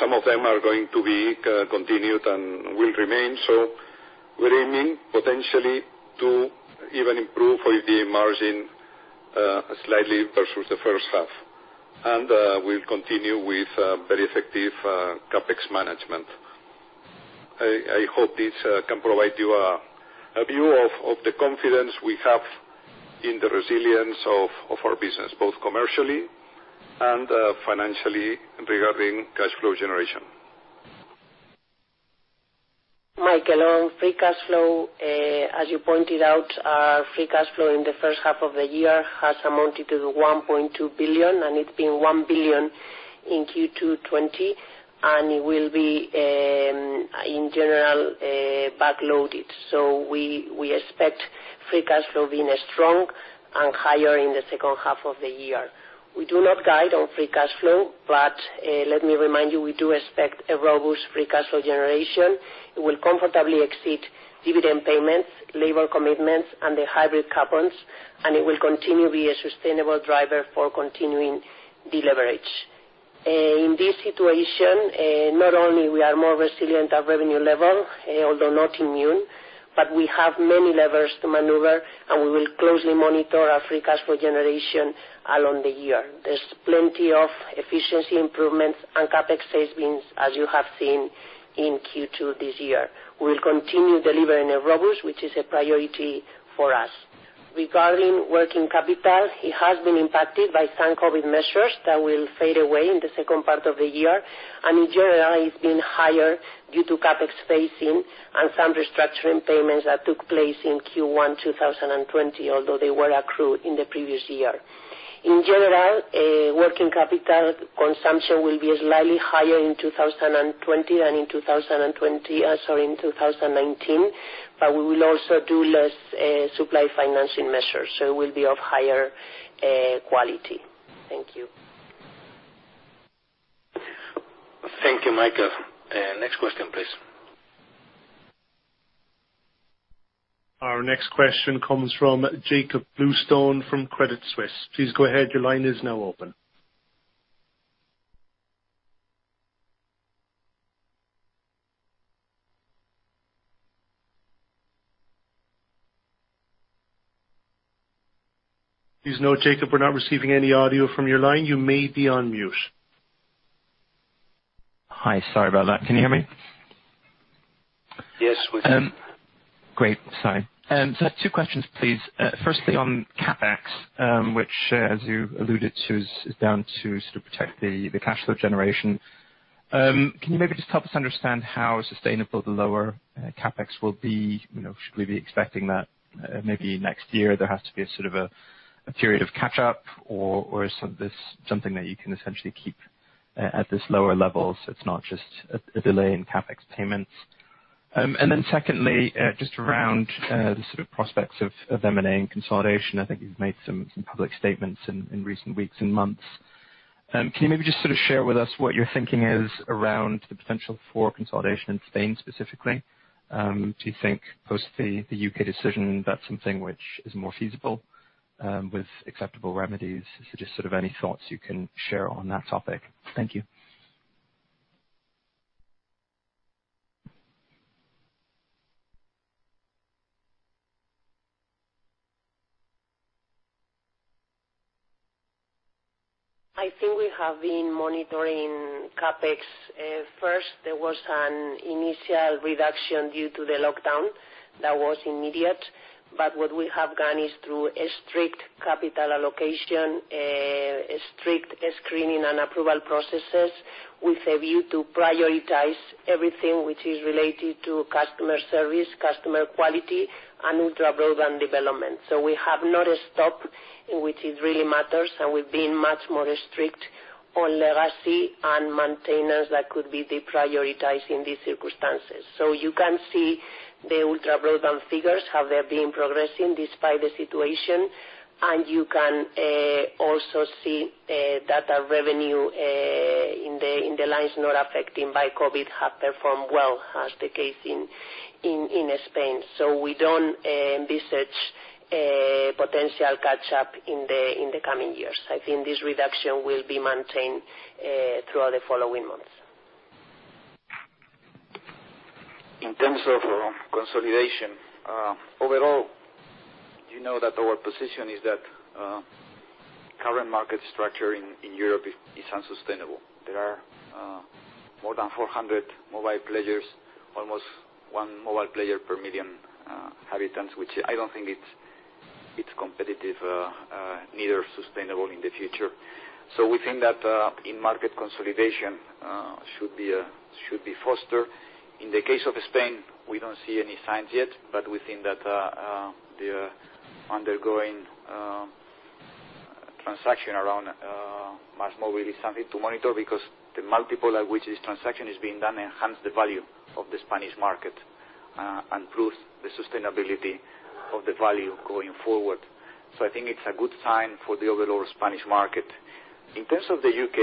Speaker 3: some of them are going to be continued and will remain. We're aiming potentially to even improve OIBDA margin slightly versus the first half. We'll continue with very effective CapEx management. I hope this can provide you a view of the confidence we have in the resilience of our business, both commercially and financially regarding cash flow generation.
Speaker 4: Michael, on free cash flow, as you pointed out, our free cash flow in the first half of the year has amounted to 1.2 billion, and it's been 1 billion in Q2 2020, and it will be, in general, back-loaded. We expect free cash flow being strong and higher in the second half of the year. We do not guide on free cash flow, but let me remind you, we do expect a robust free cash flow generation. It will comfortably exceed dividend payments, labor commitments, and the hybrid coupons, and it will continue to be a sustainable driver for continuing deleverage. In this situation, not only we are more resilient at revenue level, although not immune, but we have many levers to maneuver, and we will closely monitor our free cash flow generation along the year. There's plenty of efficiency improvements and CapEx savings, as you have seen in Q2 this year. We will continue delivering a robust, which is a priority for us. Regarding working capital, it has been impacted by some COVID measures that will fade away in the second part of the year. In general, it's been higher due to CapEx phasing and some restructuring payments that took place in Q1 2020, although they were accrued in the previous year. In general, working capital consumption will be slightly higher in 2020 and in 2019, but we will also do less supply financing measures, so it will be of higher quality. Thank you.
Speaker 1: Thank you, Michael. Next question, please.
Speaker 5: Our next question comes from Jakob Bluestone from Credit Suisse. Please go ahead. Your line is now open. Please note, Jakob, we're not receiving any audio from your line. You may be on mute.
Speaker 7: Hi, sorry about that. Can you hear me?
Speaker 2: Yes, we can.
Speaker 7: Great. I have two questions, please. Firstly, on CapEx, which, as you alluded to, is down to protect the cash flow generation. Can you maybe just help us understand how sustainable the lower CapEx will be? Should we be expecting that maybe next year there has to be a period of catch up, or is this something that you can essentially keep at this lower level, so it's not just a delay in CapEx payments? Secondly, just around the prospects of M&A and consolidation. I think you've made some public statements in recent weeks and months. Can you maybe just share with us what your thinking is around the potential for consolidation in Spain specifically? Do you think post the U.K. decision, that's something which is more feasible, with acceptable remedies? Just any thoughts you can share on that topic. Thank you.
Speaker 4: I think we have been monitoring CapEx. First, there was an initial reduction due to the lockdown that was immediate. What we have done is through a strict capital allocation, strict screening, and approval processes, with a view to prioritize everything which is related to customer service, customer quality, and ultra broadband development. We have not stopped, which really matters, and we've been much more strict on legacy and maintenance that could be deprioritized in these circumstances. You can see the ultra broadband figures, how they've been progressing despite the situation. You can also see data revenue in the lines not affected by COVID have performed well, as the case in Spain. We don't envisage a potential catch-up in the coming years. I think this reduction will be maintained throughout the following months.
Speaker 2: In terms of consolidation, overall, you know that our position is that current market structure in Europe is unsustainable. There are more than 400 mobile players, almost one mobile player per million inhabitants, which I don't think it's competitive, neither sustainable in the future. We think that in-market consolidation should be fostered. In the case of Spain, we don't see any signs yet, but we think that the undergoing transaction around MásMóvil is something to monitor, because the multiple at which this transaction is being done enhance the value of the Spanish market, and proves the sustainability of the value going forward. I think it's a good sign for the overall Spanish market. In terms of the U.K.,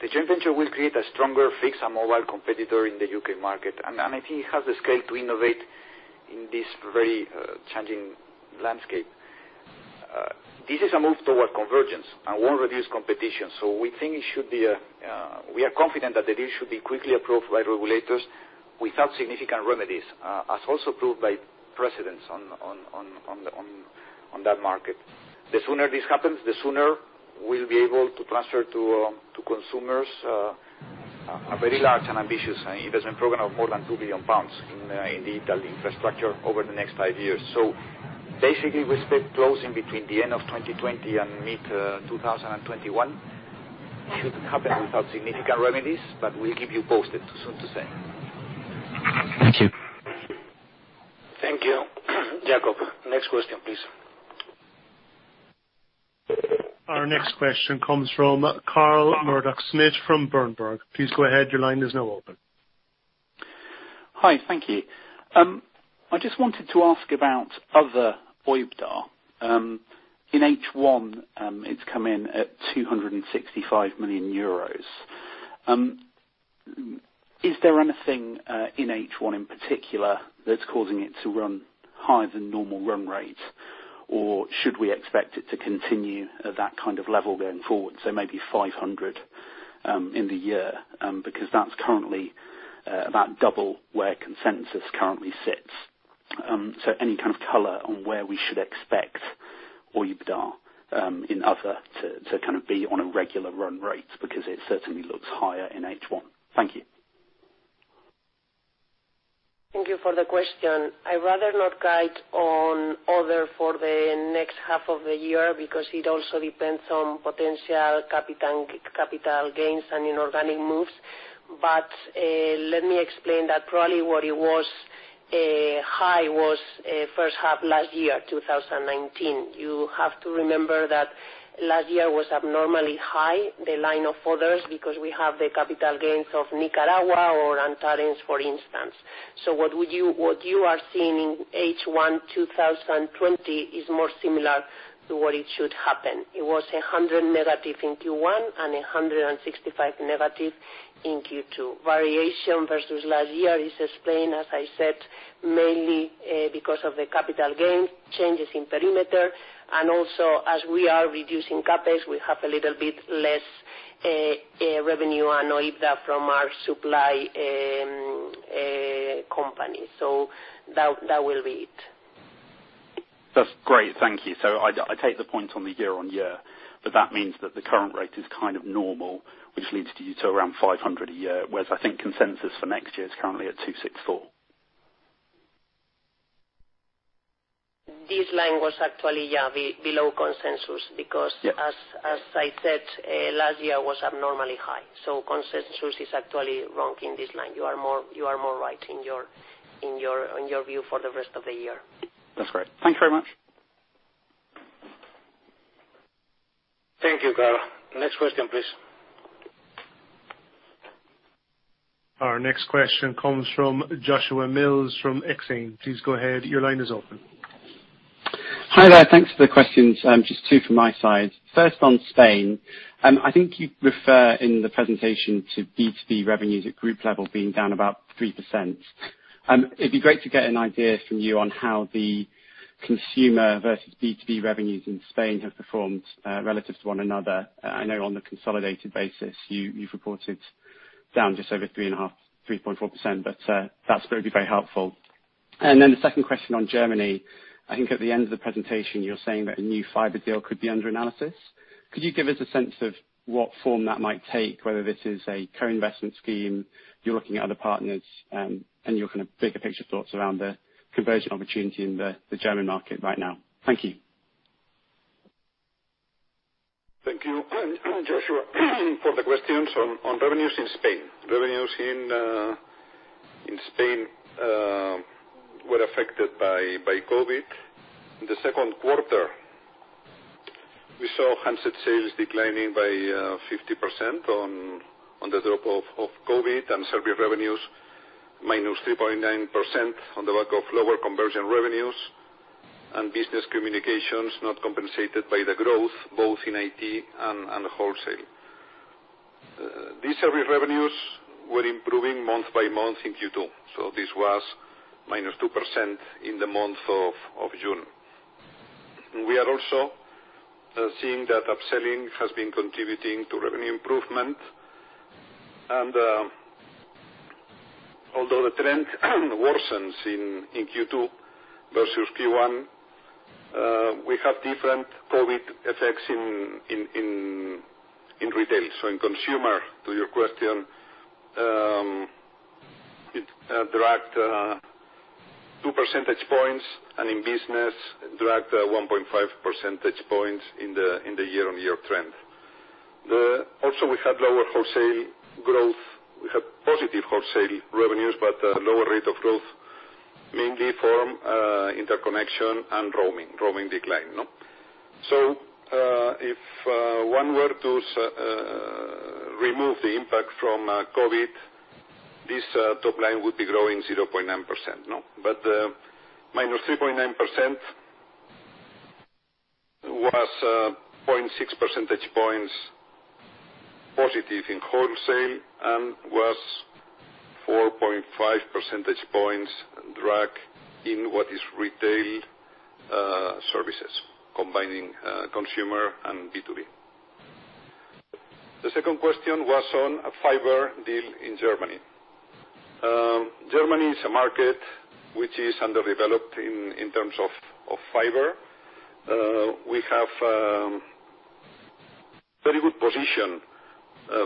Speaker 2: the joint venture will create a stronger fixed and mobile competitor in the U.K. market. I think it has the scale to innovate in this very challenging landscape. This is a move toward convergence and won't reduce competition. We are confident that the deal should be quickly approved by regulators without significant remedies, as also proved by precedents on that market. The sooner this happens, the sooner we'll be able to transfer to consumers a very large and ambitious investment program of more than 2 billion pounds in the Italy infrastructure over the next five years. Basically, we expect closing between the end of 2020 and mid-2021. It should happen without significant remedies, but we'll keep you posted. Too soon to say.
Speaker 7: Thank you.
Speaker 1: Thank you, Jakob. Next question, please.
Speaker 5: Our next question comes from Carl Murdock-Smith from Berenberg. Please go ahead. Your line is now open.
Speaker 8: Hi, thank you. I just wanted to ask about other OIBDA. In H1, it's come in at 265 million euros. Is there anything in H1 in particular that's causing it to run higher than normal run rates? Should we expect it to continue at that kind of level going forward, so maybe 500 million in the year? That's currently about double where consensus currently sits. Any kind of color on where we should expect OIBDA in other, to be on a regular run rate, because it certainly looks higher in H1. Thank you.
Speaker 4: Thank you for the question. I'd rather not guide on other for the next half of the year, because it also depends on potential capital gains and inorganic moves. Let me explain that probably where it was high was first half last year, 2019. You have to remember that last year was abnormally high, the line of Others, because we have the capital gains of Nicaragua or Antares, for instance. What you are seeing in H1 2020 is more similar to what it should happen. It was 100- in Q1, and 165- in Q2. Variation versus last year is explained, as I said, mainly because of the capital gains, changes in perimeter, and also as we are reducing CapEx, we have a little bit less revenue and OIBDA from our supply company. That will be it.
Speaker 8: That's great. Thank you. I take the point on the year-on-year, but that means that the current rate is kind of normal, which leads you to around 500 a year, whereas I think consensus for next year is currently at 264.
Speaker 4: This line was actually, yeah, below consensus because.
Speaker 8: Yeah
Speaker 4: As I said, last year was abnormally high. Consensus is actually wrong in this line. You are more right in your view for the rest of the year.
Speaker 8: That's great. Thank you very much.
Speaker 1: Thank you, Carl. Next question, please.
Speaker 5: Our next question comes from Joshua Mills from Exane. Please go ahead. Your line is open.
Speaker 9: Hi there. Thanks for the questions. Just two from my side. First, on Spain. I think you refer in the presentation to B2B revenues at group level being down about 3%. It'd be great to get an idea from you on how the consumer versus B2B revenues in Spain have performed, relative to one another. I know on the consolidated basis, you've reported down just over three and a half, 3.4%. That's going to be very helpful. Then the second question on Germany. I think at the end of the presentation, you're saying that a new fiber deal could be under analysis. Could you give us a sense of what form that might take, whether this is a co-investment scheme, you're looking at other partners, and your kind of bigger picture thoughts around the conversion opportunity in the German market right now? Thank you.
Speaker 3: Thank you, Joshua, for the questions. On revenues in Spain. Revenues in Spain were affected by COVID. In the second quarter, we saw handset sales declining by 50% on the drop of COVID, and service revenues -3.9% on the back of lower conversion revenues and business communications, not compensated by the growth, both in IT and the wholesale. These service revenues were improving month by month in Q2. This was -2% in the month of June. We are also seeing that upselling has been contributing to revenue improvement. Although the trend worsens in Q2 versus Q1, we have different COVID effects in retail. In consumer, to your question, it dragged two percentage points, and in business, it dragged 1.5 percentage points in the year-on-year trend. Also, we had lower wholesale growth. We have positive wholesale revenues, lower rate of growth, mainly from interconnection and roaming decline. If one were to remove the impact from COVID, this top line would be growing 0.9%. -3.9% was 0.6 percentage points positive in wholesale, and was 4.5 percentage points drag in what is retailed services, combining consumer and B2B. The second question was on a fiber deal in Germany. Germany is a market which is underdeveloped in terms of fiber. We have a very good position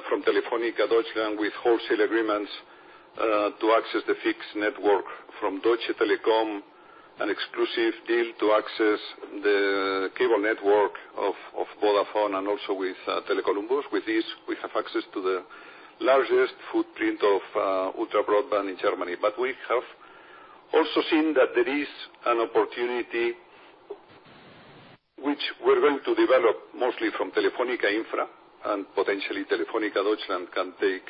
Speaker 3: from Telefónica Deutschland with wholesale agreements to access the fixed network from Deutsche Telekom, an exclusive deal to access the cable network of Vodafone, also with Tele Columbus. With this, we have access to the largest footprint of ultra broadband in Germany. We have also seen that there is an opportunity which we're going to develop mostly from Telefónica Infra, and potentially Telefónica Deutschland can take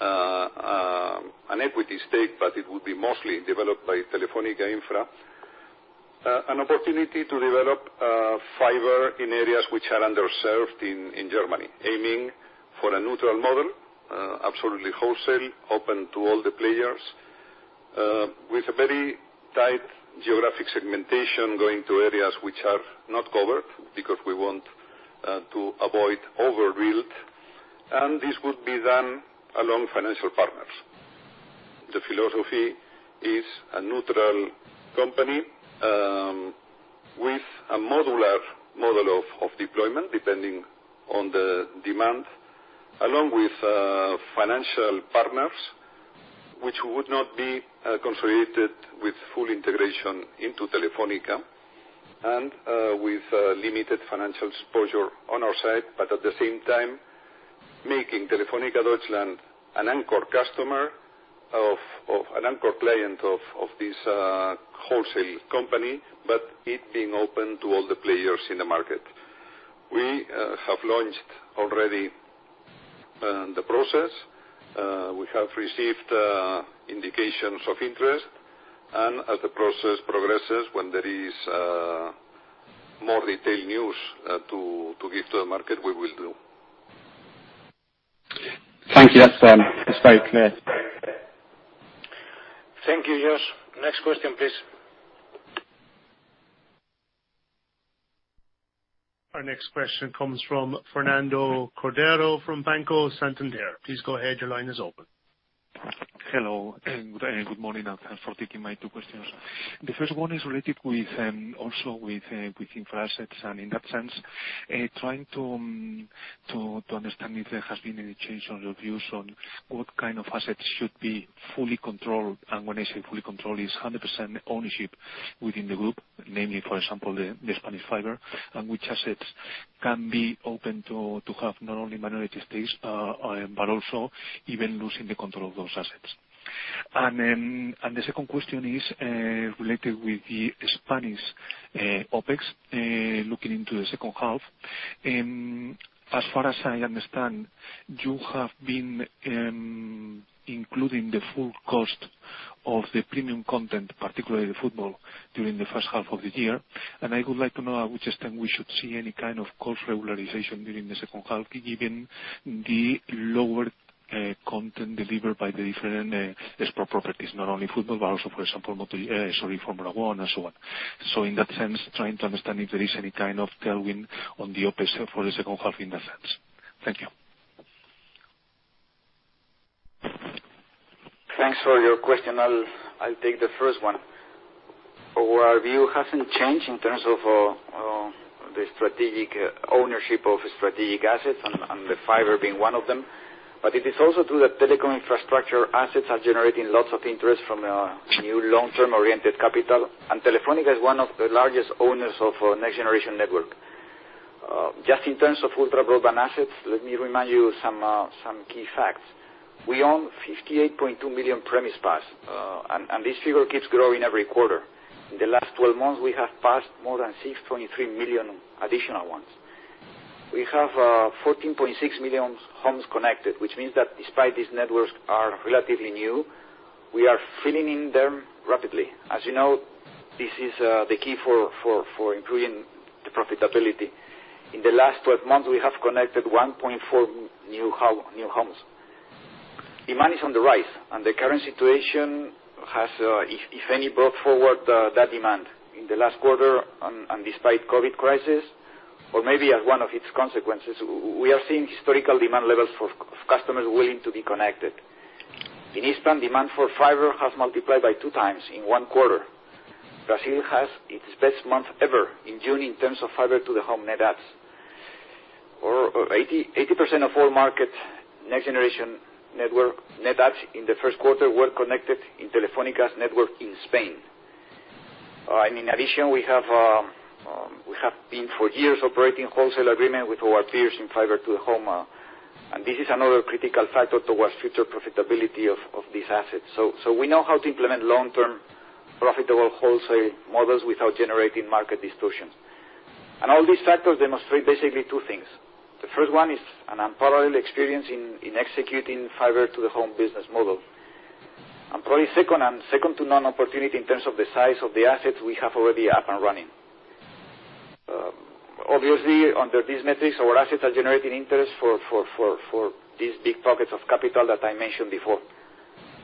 Speaker 3: an equity stake, but it would be mostly developed by Telefónica Infra. An opportunity to develop fiber in areas which are underserved in Germany, aiming for a neutral model, absolutely wholesale, open to all the players, with a very tight geographic segmentation going to areas which are not covered, because we want to avoid overbuild, and this would be done along financial partners. The philosophy is a neutral company, with a modular model of deployment, depending on the demand, along with financial partners, which would not be consolidated with full integration into Telefónica, and with limited financial exposure on our side, but at the same time, making Telefónica Deutschland an anchor customer, an anchor client of this wholesale company, but it being open to all the players in the market. We have launched already the process. We have received indications of interest, and as the process progresses, when there is more retail news to give to the market, we will do.
Speaker 9: Thank you. That's very clear.
Speaker 1: Thank you, Josh. Next question, please.
Speaker 5: Our next question comes from Fernando Cordero from Banco Santander. Please go ahead. Your line is open.
Speaker 10: Hello, good morning, and thanks for taking my two questions. The first one is related also with infra assets, in that sense, trying to understand if there has been any change on your views on what kind of assets should be fully controlled. When I say fully controlled, it's 100% ownership within the group, namely, for example, the Spanish fiber, and which assets can be open to have not only minority stakes, but also even losing the control of those assets. The second question is related with the Spanish OpEx, looking into the second half. As far as I understand, you have been including the full cost of the premium content, particularly the football, during the first half of the year. I would like to know at which extent we should see any kind of cost regularization during the second half, given the lower content delivered by the different sport properties, not only football, but also, for example, Formula 1 and so on? In that sense, trying to understand if there is any kind of tailwind on the OpEx for the second half in that sense? Thank you.
Speaker 2: Thanks for your question. I'll take the first one. Our view hasn't changed in terms of the strategic ownership of strategic assets and the fiber being one of them. It is also true that telecom infrastructure assets are generating lots of interest from new long-term oriented capital, and Telefónica is one of the largest owners of next generation network. Just in terms of ultra broadband assets, let me remind you some key facts. We own 58.2 million premise passed, and this figure keeps growing every quarter. In the last 12 months, we have passed more than 623 million additional ones. We have 14.6 million homes connected, which means that despite these networks are relatively new, we are filling in them rapidly. As you know, this is the key for improving the profitability. In the last 12 months, we have connected 1.4 new homes. Demand is on the rise. The current situation has, if any, brought forward that demand. In the last quarter, despite COVID crisis or maybe as one of its consequences, we are seeing historical demand levels for customers willing to be connected. In Spain, demand for fiber has multiplied by 2x in one quarter. Brazil has its best month ever in June in terms of fiber-to-the-home net adds. 80% of all market next generation network net adds in the first quarter were connected in Telefónica's network in Spain. In addition, we have been for years operating wholesale agreement with our peers in fiber-to-the-home. This is another critical factor towards future profitability of these assets. We know how to implement long-term profitable wholesale models without generating market distortions. All these factors demonstrate basically two things. The first one is an unparalleled experience in executing fiber-to-the-home business model. Probably second, and second to none opportunity in terms of the size of the assets we have already up and running. Obviously, under these metrics, our assets are generating interest for these big pockets of capital that I mentioned before.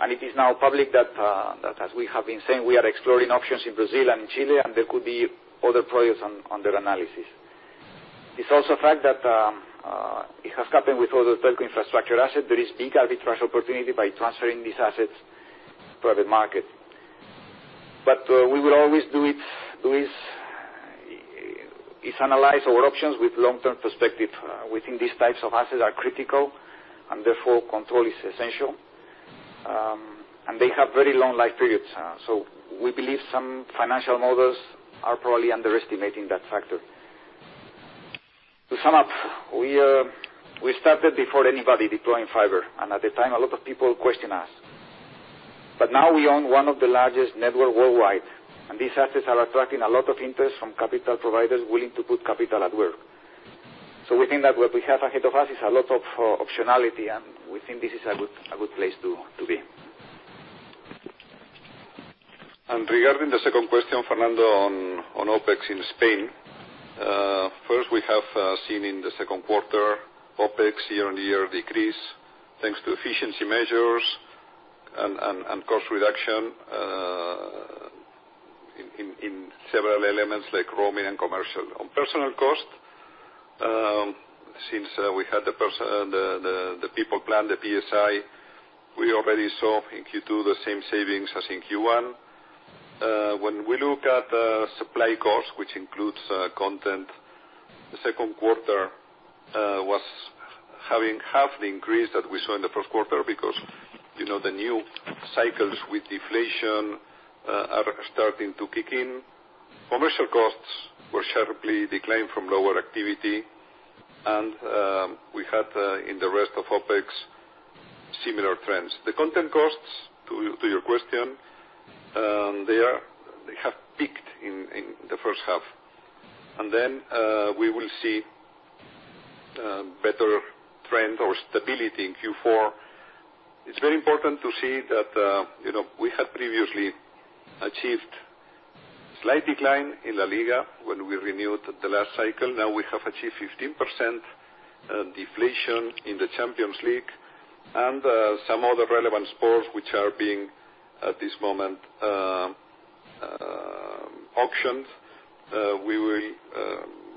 Speaker 2: It is now public that, as we have been saying, we are exploring options in Brazil and Chile, and there could be other projects under analysis. It's also a fact that it has happened with other telecom infrastructure assets. There is big arbitrage opportunity by transferring these assets to public market. We will always do is analyze our options with long-term perspective. We think these types of assets are critical, and therefore, control is essential. They have very long life periods. We believe some financial models are probably underestimating that factor. To sum up, we started before anybody deploying fiber, and at the time, a lot of people questioned us. Now we own one of the largest network worldwide, and these assets are attracting a lot of interest from capital providers willing to put capital at work. We think that what we have ahead of us is a lot of optionality, and we think this is a good place to be.
Speaker 3: Regarding the second question, Fernando, on OpEx in Spain. First, we have seen in the second quarter OpEx year-on-year decrease, thanks to efficiency measures and cost reduction in several elements like roaming and commercial. On personal cost, since we had the people plan, the PSI, we already saw in Q2 the same savings as in Q1. When we look at supply cost, which includes content, the second quarter was having half the increase that we saw in the first quarter because the new cycles with deflation are starting to kick in. Commercial costs were sharply declined from lower activity. We had, in the rest of OpEx, similar trends. The content costs, to your question, they have peaked in the first half. We will see better trend or stability in Q4. It is very important to see that we have previously achieved slight decline in La Liga when we renewed the last cycle. Now we have achieved 15% deflation in the Champions League and some other relevant sports which are being, at this moment, auctioned. We will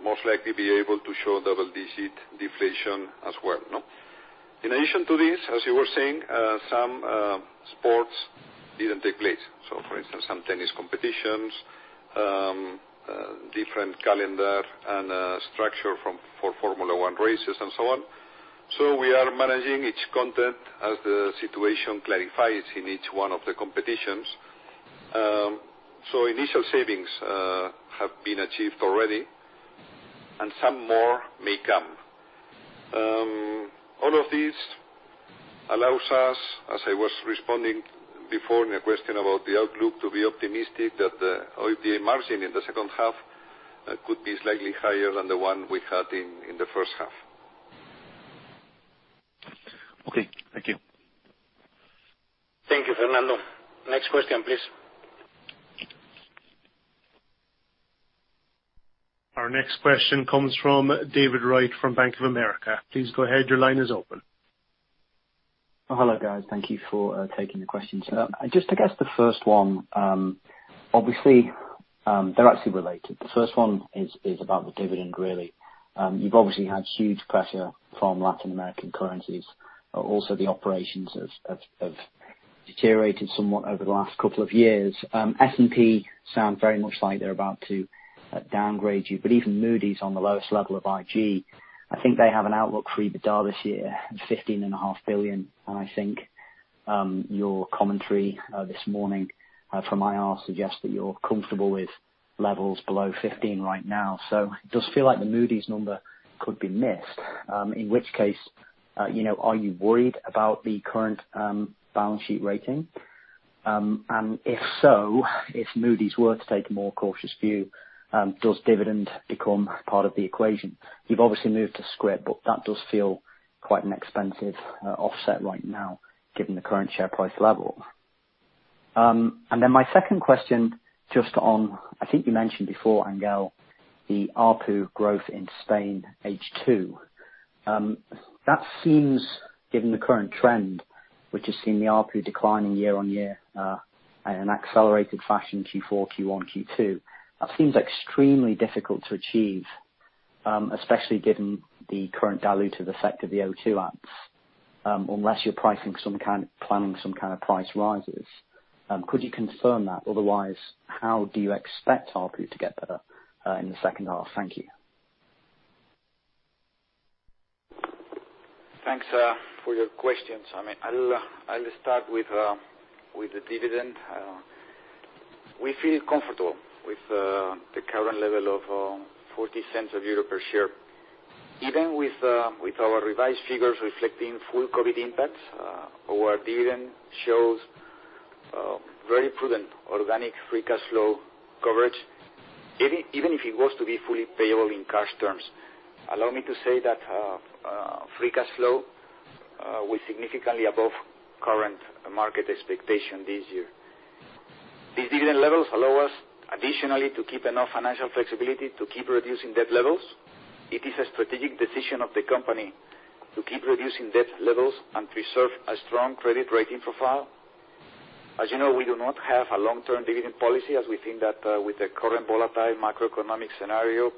Speaker 3: most likely be able to show double-digit deflation as well. In addition to this, as you were saying, some sports didn't take place. For instance, some tennis competitions, different calendar and structure for Formula 1 races, and so on. We are managing each content as the situation clarifies in each one of the competitions. Initial savings have been achieved already, and some more may come. All of this allows us, as I was responding before in a question about the outlook, to be optimistic that the OIBDA margin in the second half could be slightly higher than the one we had in the first half.
Speaker 10: Okay. Thank you.
Speaker 1: Thank you, Fernando. Next question, please.
Speaker 5: Our next question comes from David Wright from Bank of America. Please go ahead. Your line is open.
Speaker 11: Hello, guys. Thank you for taking the questions. I guess the first one, obviously, they're actually related. The first one is about the dividend, really. You've obviously had huge pressure from Latin American currencies. Also, the operations have deteriorated somewhat over the last couple of years. S&P sound very much like they're about to downgrade you, but even Moody's on the lowest level of IG. I think they have an outlook for EBITDA this year of 15.5 billion, and I think your commentary this morning from IR suggests that you're comfortable with levels below 15 billion right now. It does feel like the Moody's number could be missed. In which case, are you worried about the current balance sheet rating? If so, if Moody's were to take a more cautious view, does dividend become part of the equation? You've obviously moved to scrip, that does feel quite an expensive offset right now given the current share price level. My second question, just on, I think you mentioned before, Ángel, the ARPU growth in Spain H2. That seems, given the current trend, which has seen the ARPU declining year-on-year at an accelerated fashion Q4, Q1, Q2. That seems extremely difficult to achieve, especially given the current dilutive effect of the O2 apps, unless you're planning some kind of price rises. Could you confirm that? Otherwise, how do you expect ARPU to get better in the second half? Thank you.
Speaker 2: Thanks for your questions. I'll start with the dividend. We feel comfortable with the current level of 0.40 per share. Even with our revised figures reflecting full COVID impacts, our dividend shows very prudent organic free cash flow coverage, even if it was to be fully payable in cash terms. Allow me to say that free cash flow was significantly above current market expectation this year. These dividend levels allow us additionally to keep enough financial flexibility to keep reducing debt levels. It is a strategic decision of the company to keep reducing debt levels and preserve a strong credit rating profile. As you know, we do not have a long-term dividend policy, as we think that with the current volatile macroeconomic scenario,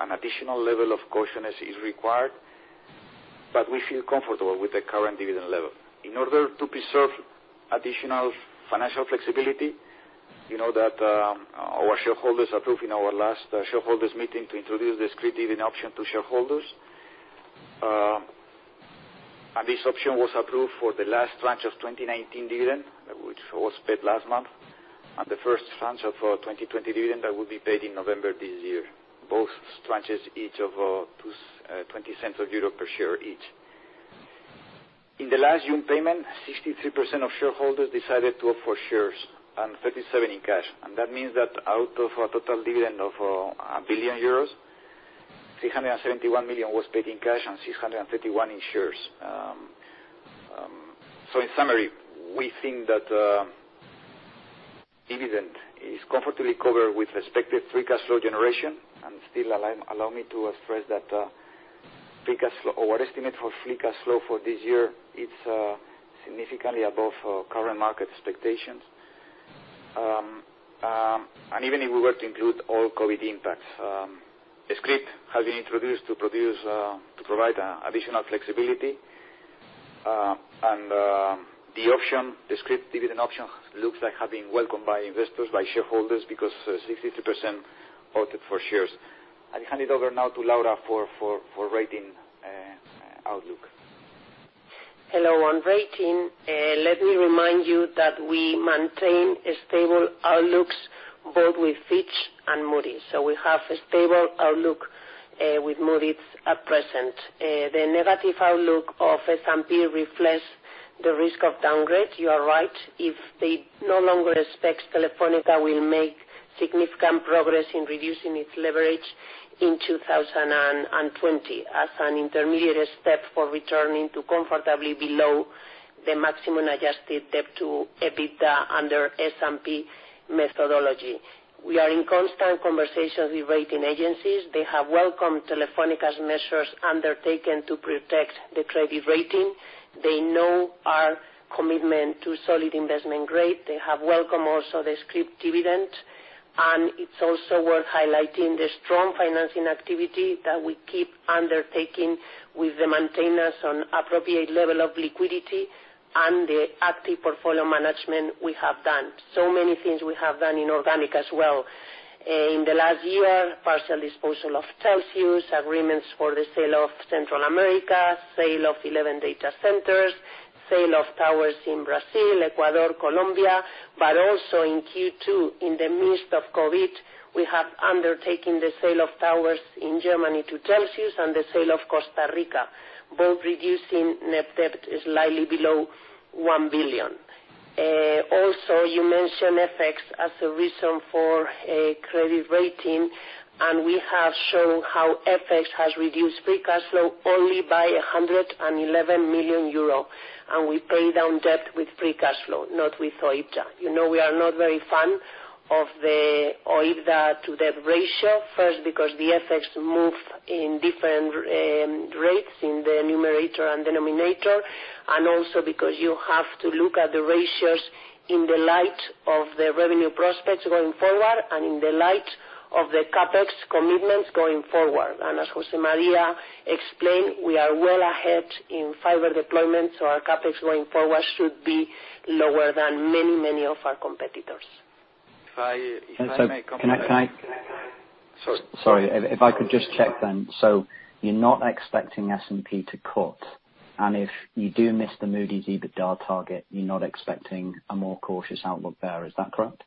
Speaker 2: an additional level of cautiousness is required, but we feel comfortable with the current dividend level. In order to preserve additional financial flexibility, you know that our shareholders approved in our last shareholders meeting to introduce the scrip dividend option to shareholders. This option was approved for the last tranche of 2019 dividend, which was paid last month, and the first tranche of 2020 dividend that will be paid in November this year. Both tranches each of 0.20 per share each. In the last June payment, 63% of shareholders decided to opt for shares and 37% in cash. That means that out of a total dividend of 1 billion euros, 371 million was paid in cash and 631 million in shares. In summary, we think that dividend is comfortably covered with respective free cash flow generation. Still allow me to stress that our estimate for free cash flow for this year, it's significantly above current market expectations. Even if we were to include all COVID impacts. Scrip has been introduced to provide additional flexibility. The scrip dividend option looks like have been welcomed by investors, by shareholders, because 63% opted for shares. I hand it over now to Laura for rating outlook.
Speaker 4: Hello. On rating, let me remind you that we maintain stable outlooks both with Fitch and Moody's. We have a stable outlook with Moody's at present. The negative outlook of S&P reflects the risk of downgrade. You are right. If they no longer expect Telefónica will make significant progress in reducing its leverage in 2020 as an intermediate step for returning to comfortably below the maximum adjusted debt to EBITDA under S&P methodology. We are in constant conversations with rating agencies. They have welcomed Telefónica's measures undertaken to protect the credit rating. They know our commitment to solid investment grade. They have welcomed also the scrip dividend. It's also worth highlighting the strong financing activity that we keep undertaking with the maintenance on appropriate level of liquidity, and the active portfolio management we have done. Many things we have done in organic as well. In the last year, partial disposal of Telxius, agreements for the sale of Central America, sale of 11 data centers, sale of towers in Brazil, Ecuador, Colombia. Also in Q2, in the midst of COVID, we have undertaken the sale of towers in Germany to Telxius and the sale of Costa Rica, both reducing net debt slightly below 1 billion. You mentioned FX as a reason for a credit rating, and we have shown how FX has reduced free cash flow only by 111 million euro, and we pay down debt with free cash flow, not with OIBDA. You know we are not very fan of the OIBDA to debt ratio. First, because the FX move in different rates in the numerator and denominator, also because you have to look at the ratios in the light of the revenue prospects going forward and in the light of the CapEx commitments going forward. As José María explained, we are well ahead in fiber deployment, so our CapEx going forward should be lower than many of our competitors.
Speaker 2: If I may comment.
Speaker 11: Sorry. If I could just check then. You're not expecting S&P to cut, and if you do miss the Moody's EBITDA target, you're not expecting a more cautious outlook there, is that correct?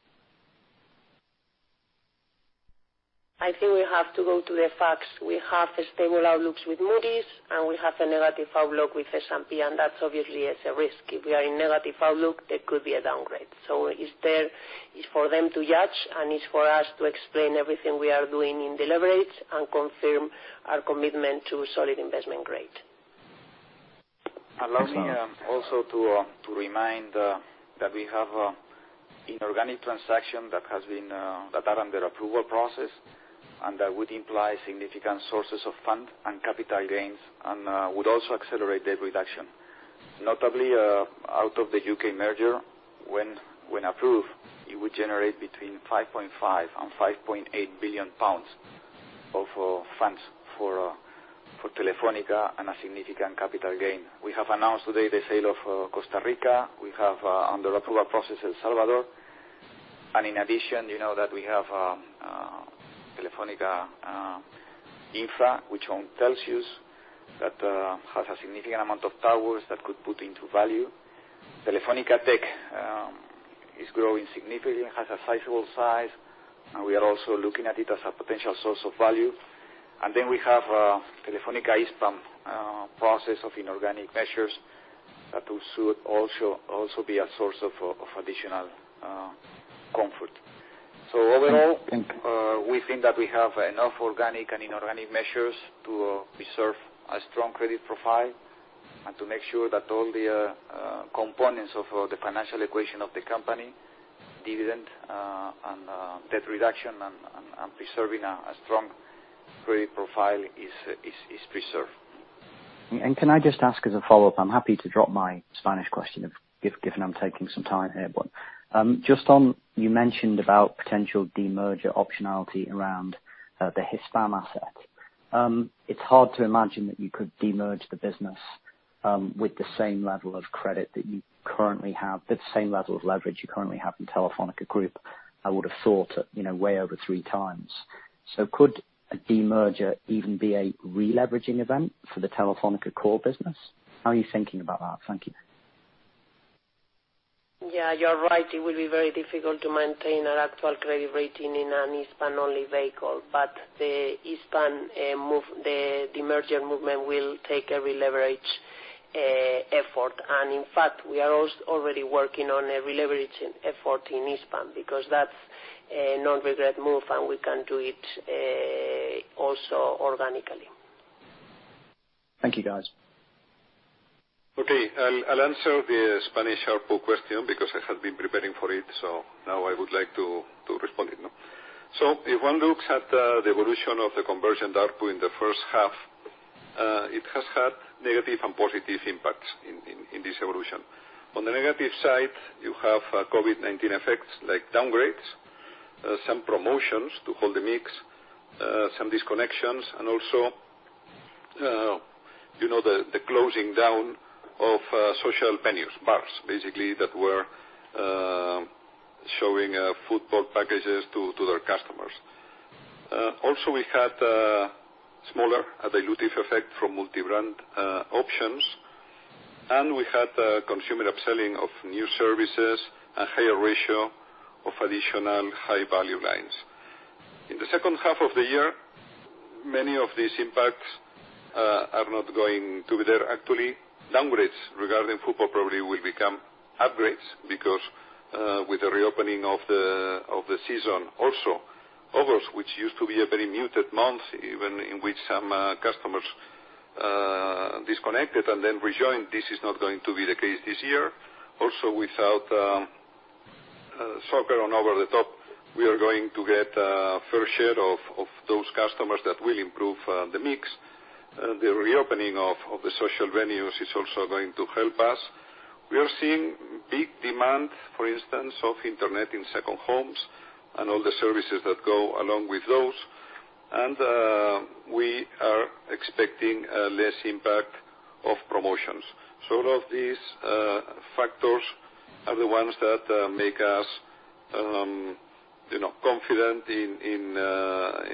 Speaker 4: I think we have to go to the facts. We have a stable outlook with Moody's. We have a negative outlook with S&P. That obviously is a risk. If we are in negative outlook, there could be a downgrade. It's for them to judge, and it's for us to explain everything we are doing in deliberate and confirm our commitment to solid investment grade.
Speaker 2: Allow me also to remind that we have inorganic transaction that are under approval process, and that would imply significant sources of fund and capital gains, and would also accelerate debt reduction. Notably, out of the U.K. merger, when approved, it would generate between 5.5 billion pounds and GBP 6.8 billion of funds for Telefónica and a significant capital gain. We have announced today the sale of Costa Rica. We have under approval process El Salvador. In addition, you know that we have Telefónica Infra, which own Telxius, that has a significant amount of towers that could put into value. Telefónica Tech is growing significantly, has a sizable size, we are also looking at it as a potential source of value. We have Telefónica Hispam process of inorganic measures that should also be a source of additional comfort.
Speaker 11: Thank you.
Speaker 2: We think that we have enough organic and inorganic measures to preserve a strong credit profile and to make sure that all the components of the financial equation of the company, dividend, and debt reduction, and preserving a strong credit profile is preserved.
Speaker 11: Can I just ask as a follow-up, I'm happy to drop my Spanish question, given I'm taking some time here, you mentioned about potential de-merger optionality around the Hispam assets. It's hard to imagine that you could de-merge the business with the same level of leverage you currently have in Telefónica Group. I would have thought way over three times. Could a de-merger even be a re-leveraging event for the Telefónica core business? How are you thinking about that? Thank you.
Speaker 4: Yeah, you're right. It will be very difficult to maintain an actual credit rating in an Hispam-only vehicle, but the de-merger movement will take a re-leverage effort. In fact, we are already working on a re-leverage effort in Hispam because that's a non-regret move, and we can do it also organically.
Speaker 11: Thank you, guys.
Speaker 3: Okay. I'll answer the Spanish ARPU question because I have been preparing for it. Now I would like to respond it. If one looks at the evolution of the conversion ARPU in the first half, it has had negative and positive impacts in this evolution. On the negative side, you have COVID-19 effects like downgrades, some promotions to hold the mix, some disconnections, and also, the closing down of social venues, bars, basically, that were showing football packages to their customers. Also, we had a smaller dilutive effect from multi-brand options, and we had consumer upselling of new services and higher ratio of additional high-value lines. In the second half of the year, many of these impacts are not going to be there. Actually, downgrades regarding football probably will become upgrades because, with the reopening of the season, also August, which used to be a very muted month, even in which some customers disconnected and then rejoined, this is not going to be the case this year. Without soccer on over-the-top, we are going to get a fair share of those customers that will improve the mix. The reopening of the social venues is also going to help us. We are seeing big demand, for instance, of internet in second homes and all the services that go along with those. We are expecting less impact of promotions. All of these factors are the ones that make us confident in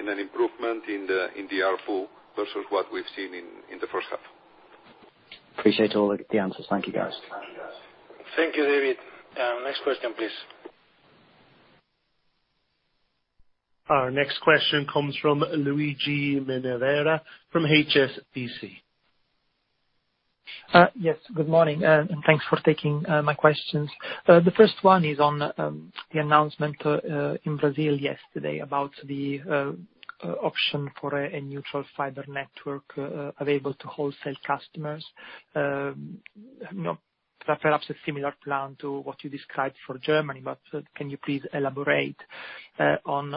Speaker 3: an improvement in the ARPU versus what we've seen in the first half.
Speaker 11: Appreciate all the answers. Thank you, guys.
Speaker 3: Thank you, David. Next question, please.
Speaker 5: Our next question comes from Luigi Minerva from HSBC.
Speaker 12: Yes, good morning, and thanks for taking my questions. The first one is on the announcement in Brazil yesterday about the option for a neutral fiber network available to wholesale customers. Perhaps a similar plan to what you described for Germany, but can you please elaborate on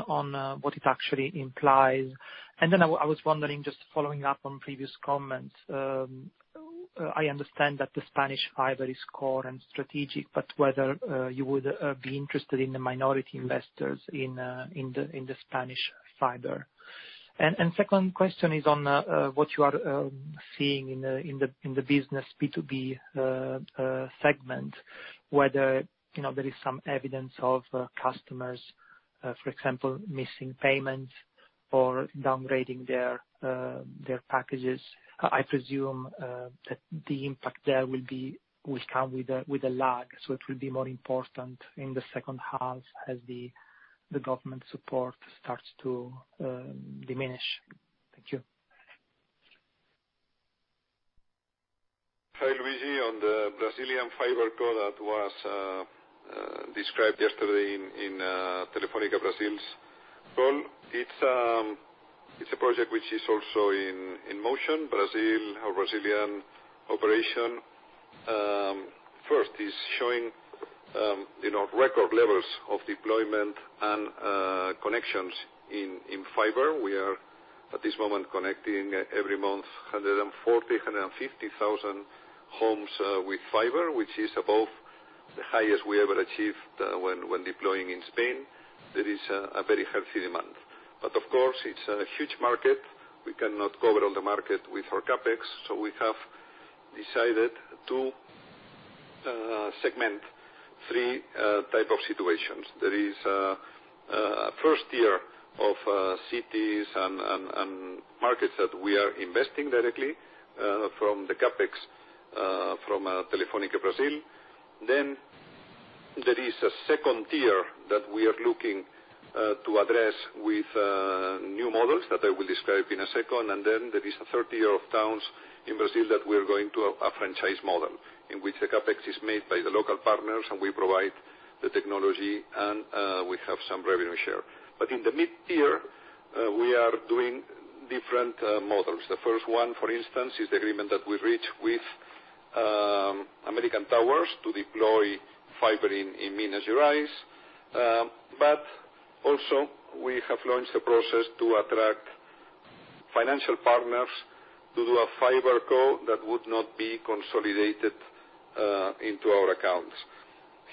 Speaker 12: what it actually implies? I was wondering, just following up on previous comments, I understand that the Spanish fiber is core and strategic, but whether you would be interested in the minority investors in the Spanish fiber. Second question is on what you are seeing in the business B2B segment, whether there is some evidence of customers, for example, missing payments or downgrading their packages. I presume that the impact there will come with a lag, so it will be more important in the second half as the government support starts to diminish. Thank you.
Speaker 3: Hi, Luigi. On the Brazilian fiber co that was described yesterday in Telefônica Brasil's call, it's a project which is also in motion. Brazil, our Brazilian operation, first is showing record levels of deployment and connections in fiber. We are, at this moment, connecting every month 140,000, 150,000 homes with fiber, which is above the highest we ever achieved when deploying in Spain. There is a very healthy demand. Of course, it's a huge market. We cannot cover all the market with our CapEx. We have decided to segment three type of situations. There is a first tier of cities and markets that we are investing directly from the CapEx from Telefônica Brasil. There is a second tier that we are looking to address with new models that I will describe in a second. There is a third tier of towns in Brazil that we're going to a franchise model, in which the CapEx is made by the local partners and we provide the technology and we have some revenue share. In the mid-tier, we are doing different models. The first one, for instance, is the agreement that we reached with American Tower to deploy fiber in Minas Gerais. We have launched a process to attract financial partners to do a fiber co that would not be consolidated into our accounts.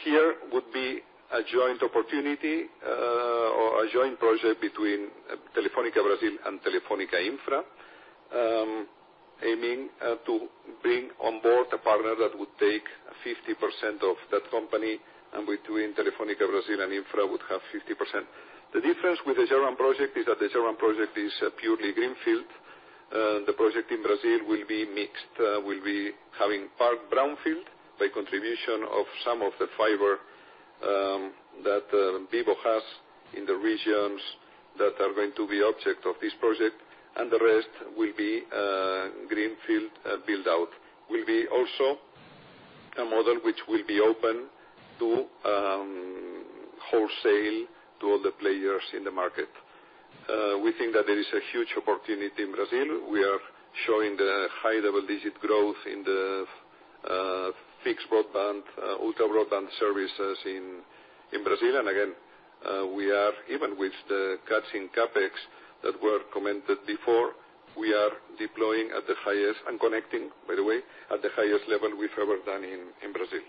Speaker 3: Here would be a joint opportunity or a joint project between Telefônica Brasil and Telefónica Infra, aiming to bring on board a partner that would take 50% of that company, and between Telefônica Brasil and Infra would have 50%. The difference with the German project is that the German project is purely greenfield. The project in Brazil will be mixed, will be having part brownfield by contribution of some of the fiber that Vivo has in the regions that are going to be object of this project, and the rest will be greenfield build-out, will be also a model which will be open to wholesale to all the players in the market. We think that there is a huge opportunity in Brazil. We are showing the high double-digit growth in the fixed broadband, ultra-broadband services in Brazil. Again, even with the cuts in CapEx that were commented before, we are deploying at the highest and connecting, by the way, at the highest level we've ever done in Brazil.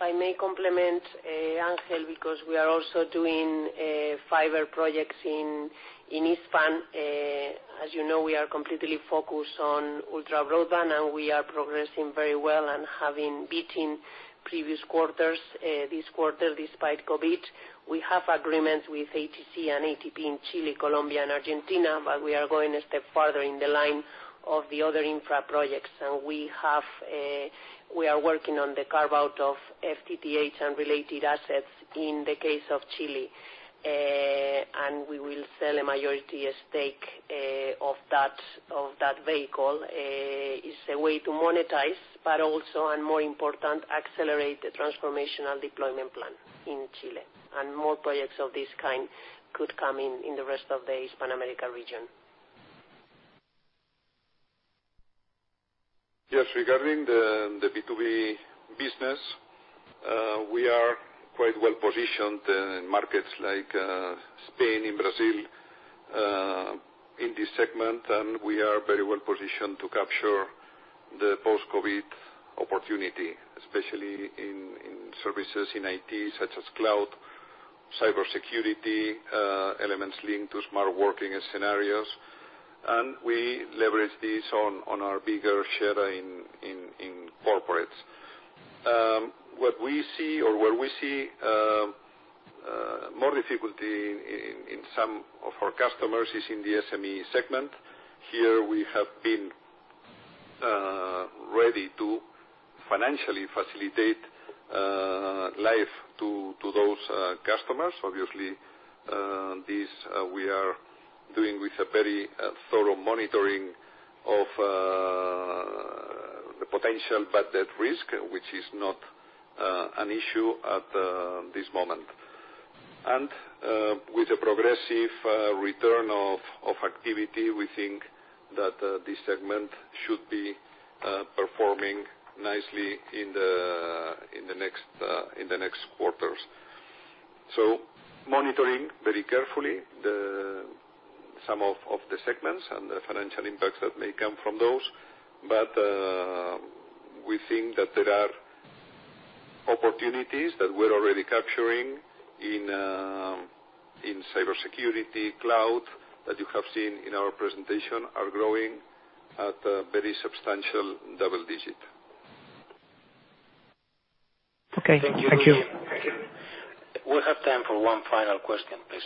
Speaker 4: If I may complement Ángel, because we are also doing fiber projects in Hispam. As you know, we are completely focused on ultra broadband, and we are progressing very well and have been beating previous quarters this quarter despite COVID. We have agreements with ATC and ATP in Chile, Colombia, and Argentina, but we are going a step further in the line of the other infra projects. We are working on the carve-out of FTTH and related assets in the case of Chile. We will sell a majority stake of that vehicle. It's a way to monetize, but also, and more important, accelerate the transformational deployment plan in Chile, and more projects of this kind could come in the rest of the Hispan America region.
Speaker 3: Yes, regarding the B2B business, we are quite well-positioned in markets like Spain, in Brazil, in this segment. We are very well-positioned to capture the post-COVID opportunity, especially in services in IT, such as cloud, cybersecurity, elements linked to smart working scenarios. Where we see more difficulty in some of our customers is in the SME segment. Here, we have been ready to financially facilitate life to those customers. Obviously, this we are doing with a very thorough monitoring of the potential bad debt risk, which is not an issue at this moment. With a progressive return of activity, we think that this segment should be performing nicely in the next quarters. Monitoring very carefully some of the segments and the financial impacts that may come from those. We think that there are opportunities that we're already capturing in cybersecurity, cloud, that you have seen in our presentation are growing at a very substantial double-digit.
Speaker 12: Okay. Thank you.
Speaker 3: Thank you.
Speaker 2: We have time for one final question, please.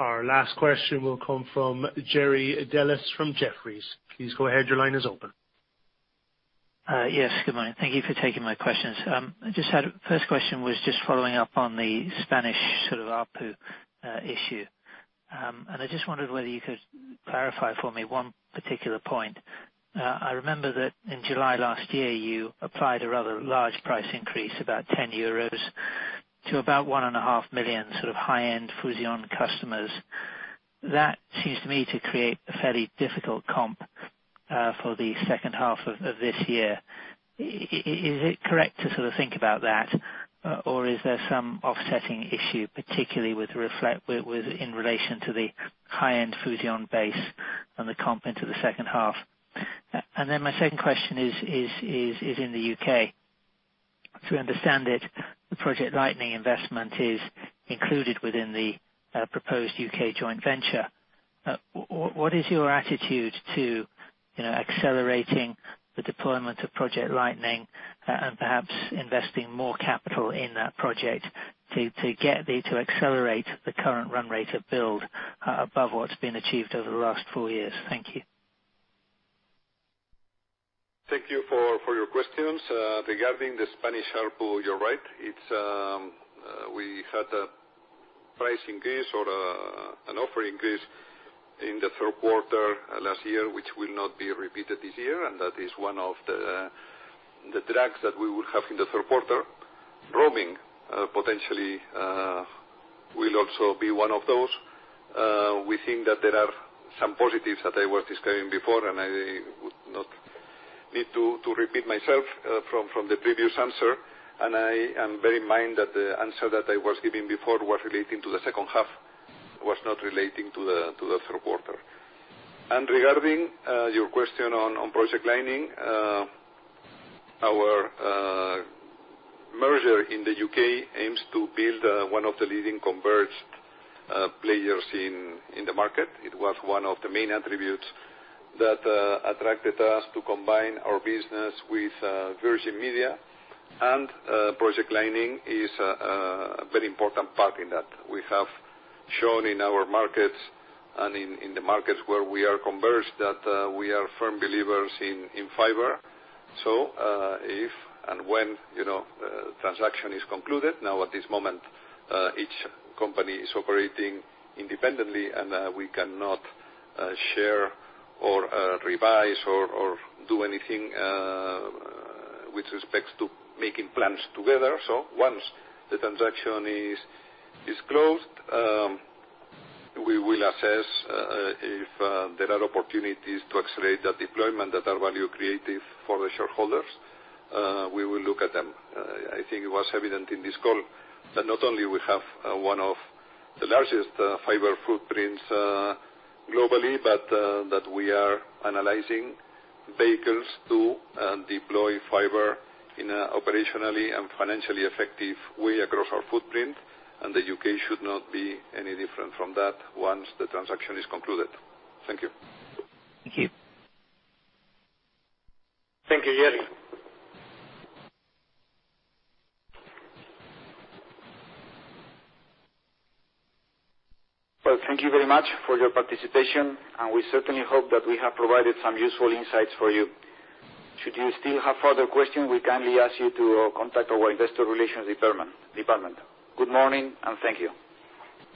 Speaker 5: Our last question will come from Jerry Dellis from Jefferies. Please go ahead. Your line is open.
Speaker 13: Yes. Good morning. Thank you for taking my questions. First question was just following up on the Spanish ARPU issue. I just wondered whether you could clarify for me one particular point. I remember that in July last year, you applied a rather large price increase, about 10 euros, to about 1.5 million high-end Fusion customers. That seems to me to create a fairly difficult comp for the second half of this year. Is it correct to think about that, or is there some offsetting issue, particularly in relation to the high-end Fusion base and the comp into the second half? Then my second question is in the U.K. We understand that the Project Lightning investment is included within the proposed U.K. joint venture. What is your attitude to accelerating the deployment of Project Lightning and perhaps investing more capital in that project to accelerate the current run rate of build above what's been achieved over the last four years? Thank you.
Speaker 3: Thank you for your questions. Regarding the Spanish ARPU, you're right. We had a price increase or an offer increase in the third quarter last year, which will not be repeated this year, and that is one of the drags that we will have in the third quarter. Roaming potentially will also be one of those. We think that there are some positives that I was describing before, and I would not need to repeat myself from the previous answer. Bear in mind that the answer that I was giving before was relating to the second half, was not relating to the third quarter. Regarding your question on Project Lightning, our merger in the U.K. aims to build one of the leading converged players in the market. It was one of the main attributes that attracted us to combine our business with Virgin Media. Project Lightning is a very important part in that. We have shown in our markets and in the markets where we are converged that we are firm believers in fiber. If and when the transaction is concluded, now at this moment each company is operating independently, and we cannot share or revise or do anything with respects to making plans together. Once the transaction is closed, we will assess if there are opportunities to accelerate that deployment that are value creative for the shareholders. We will look at them. I think it was evident in this call that not only we have one of the largest fiber footprints globally, but that we are analyzing vehicles to deploy fiber in an operationally and financially effective way across our footprint, and the U.K. should not be any different from that once the transaction is concluded. Thank you.
Speaker 13: Thank you.
Speaker 2: Thank you, Jerry. Well, thank you very much for your participation, and we certainly hope that we have provided some useful insights for you. Should you still have further questions, we kindly ask you to contact our investor relations department. Good morning, and thank you.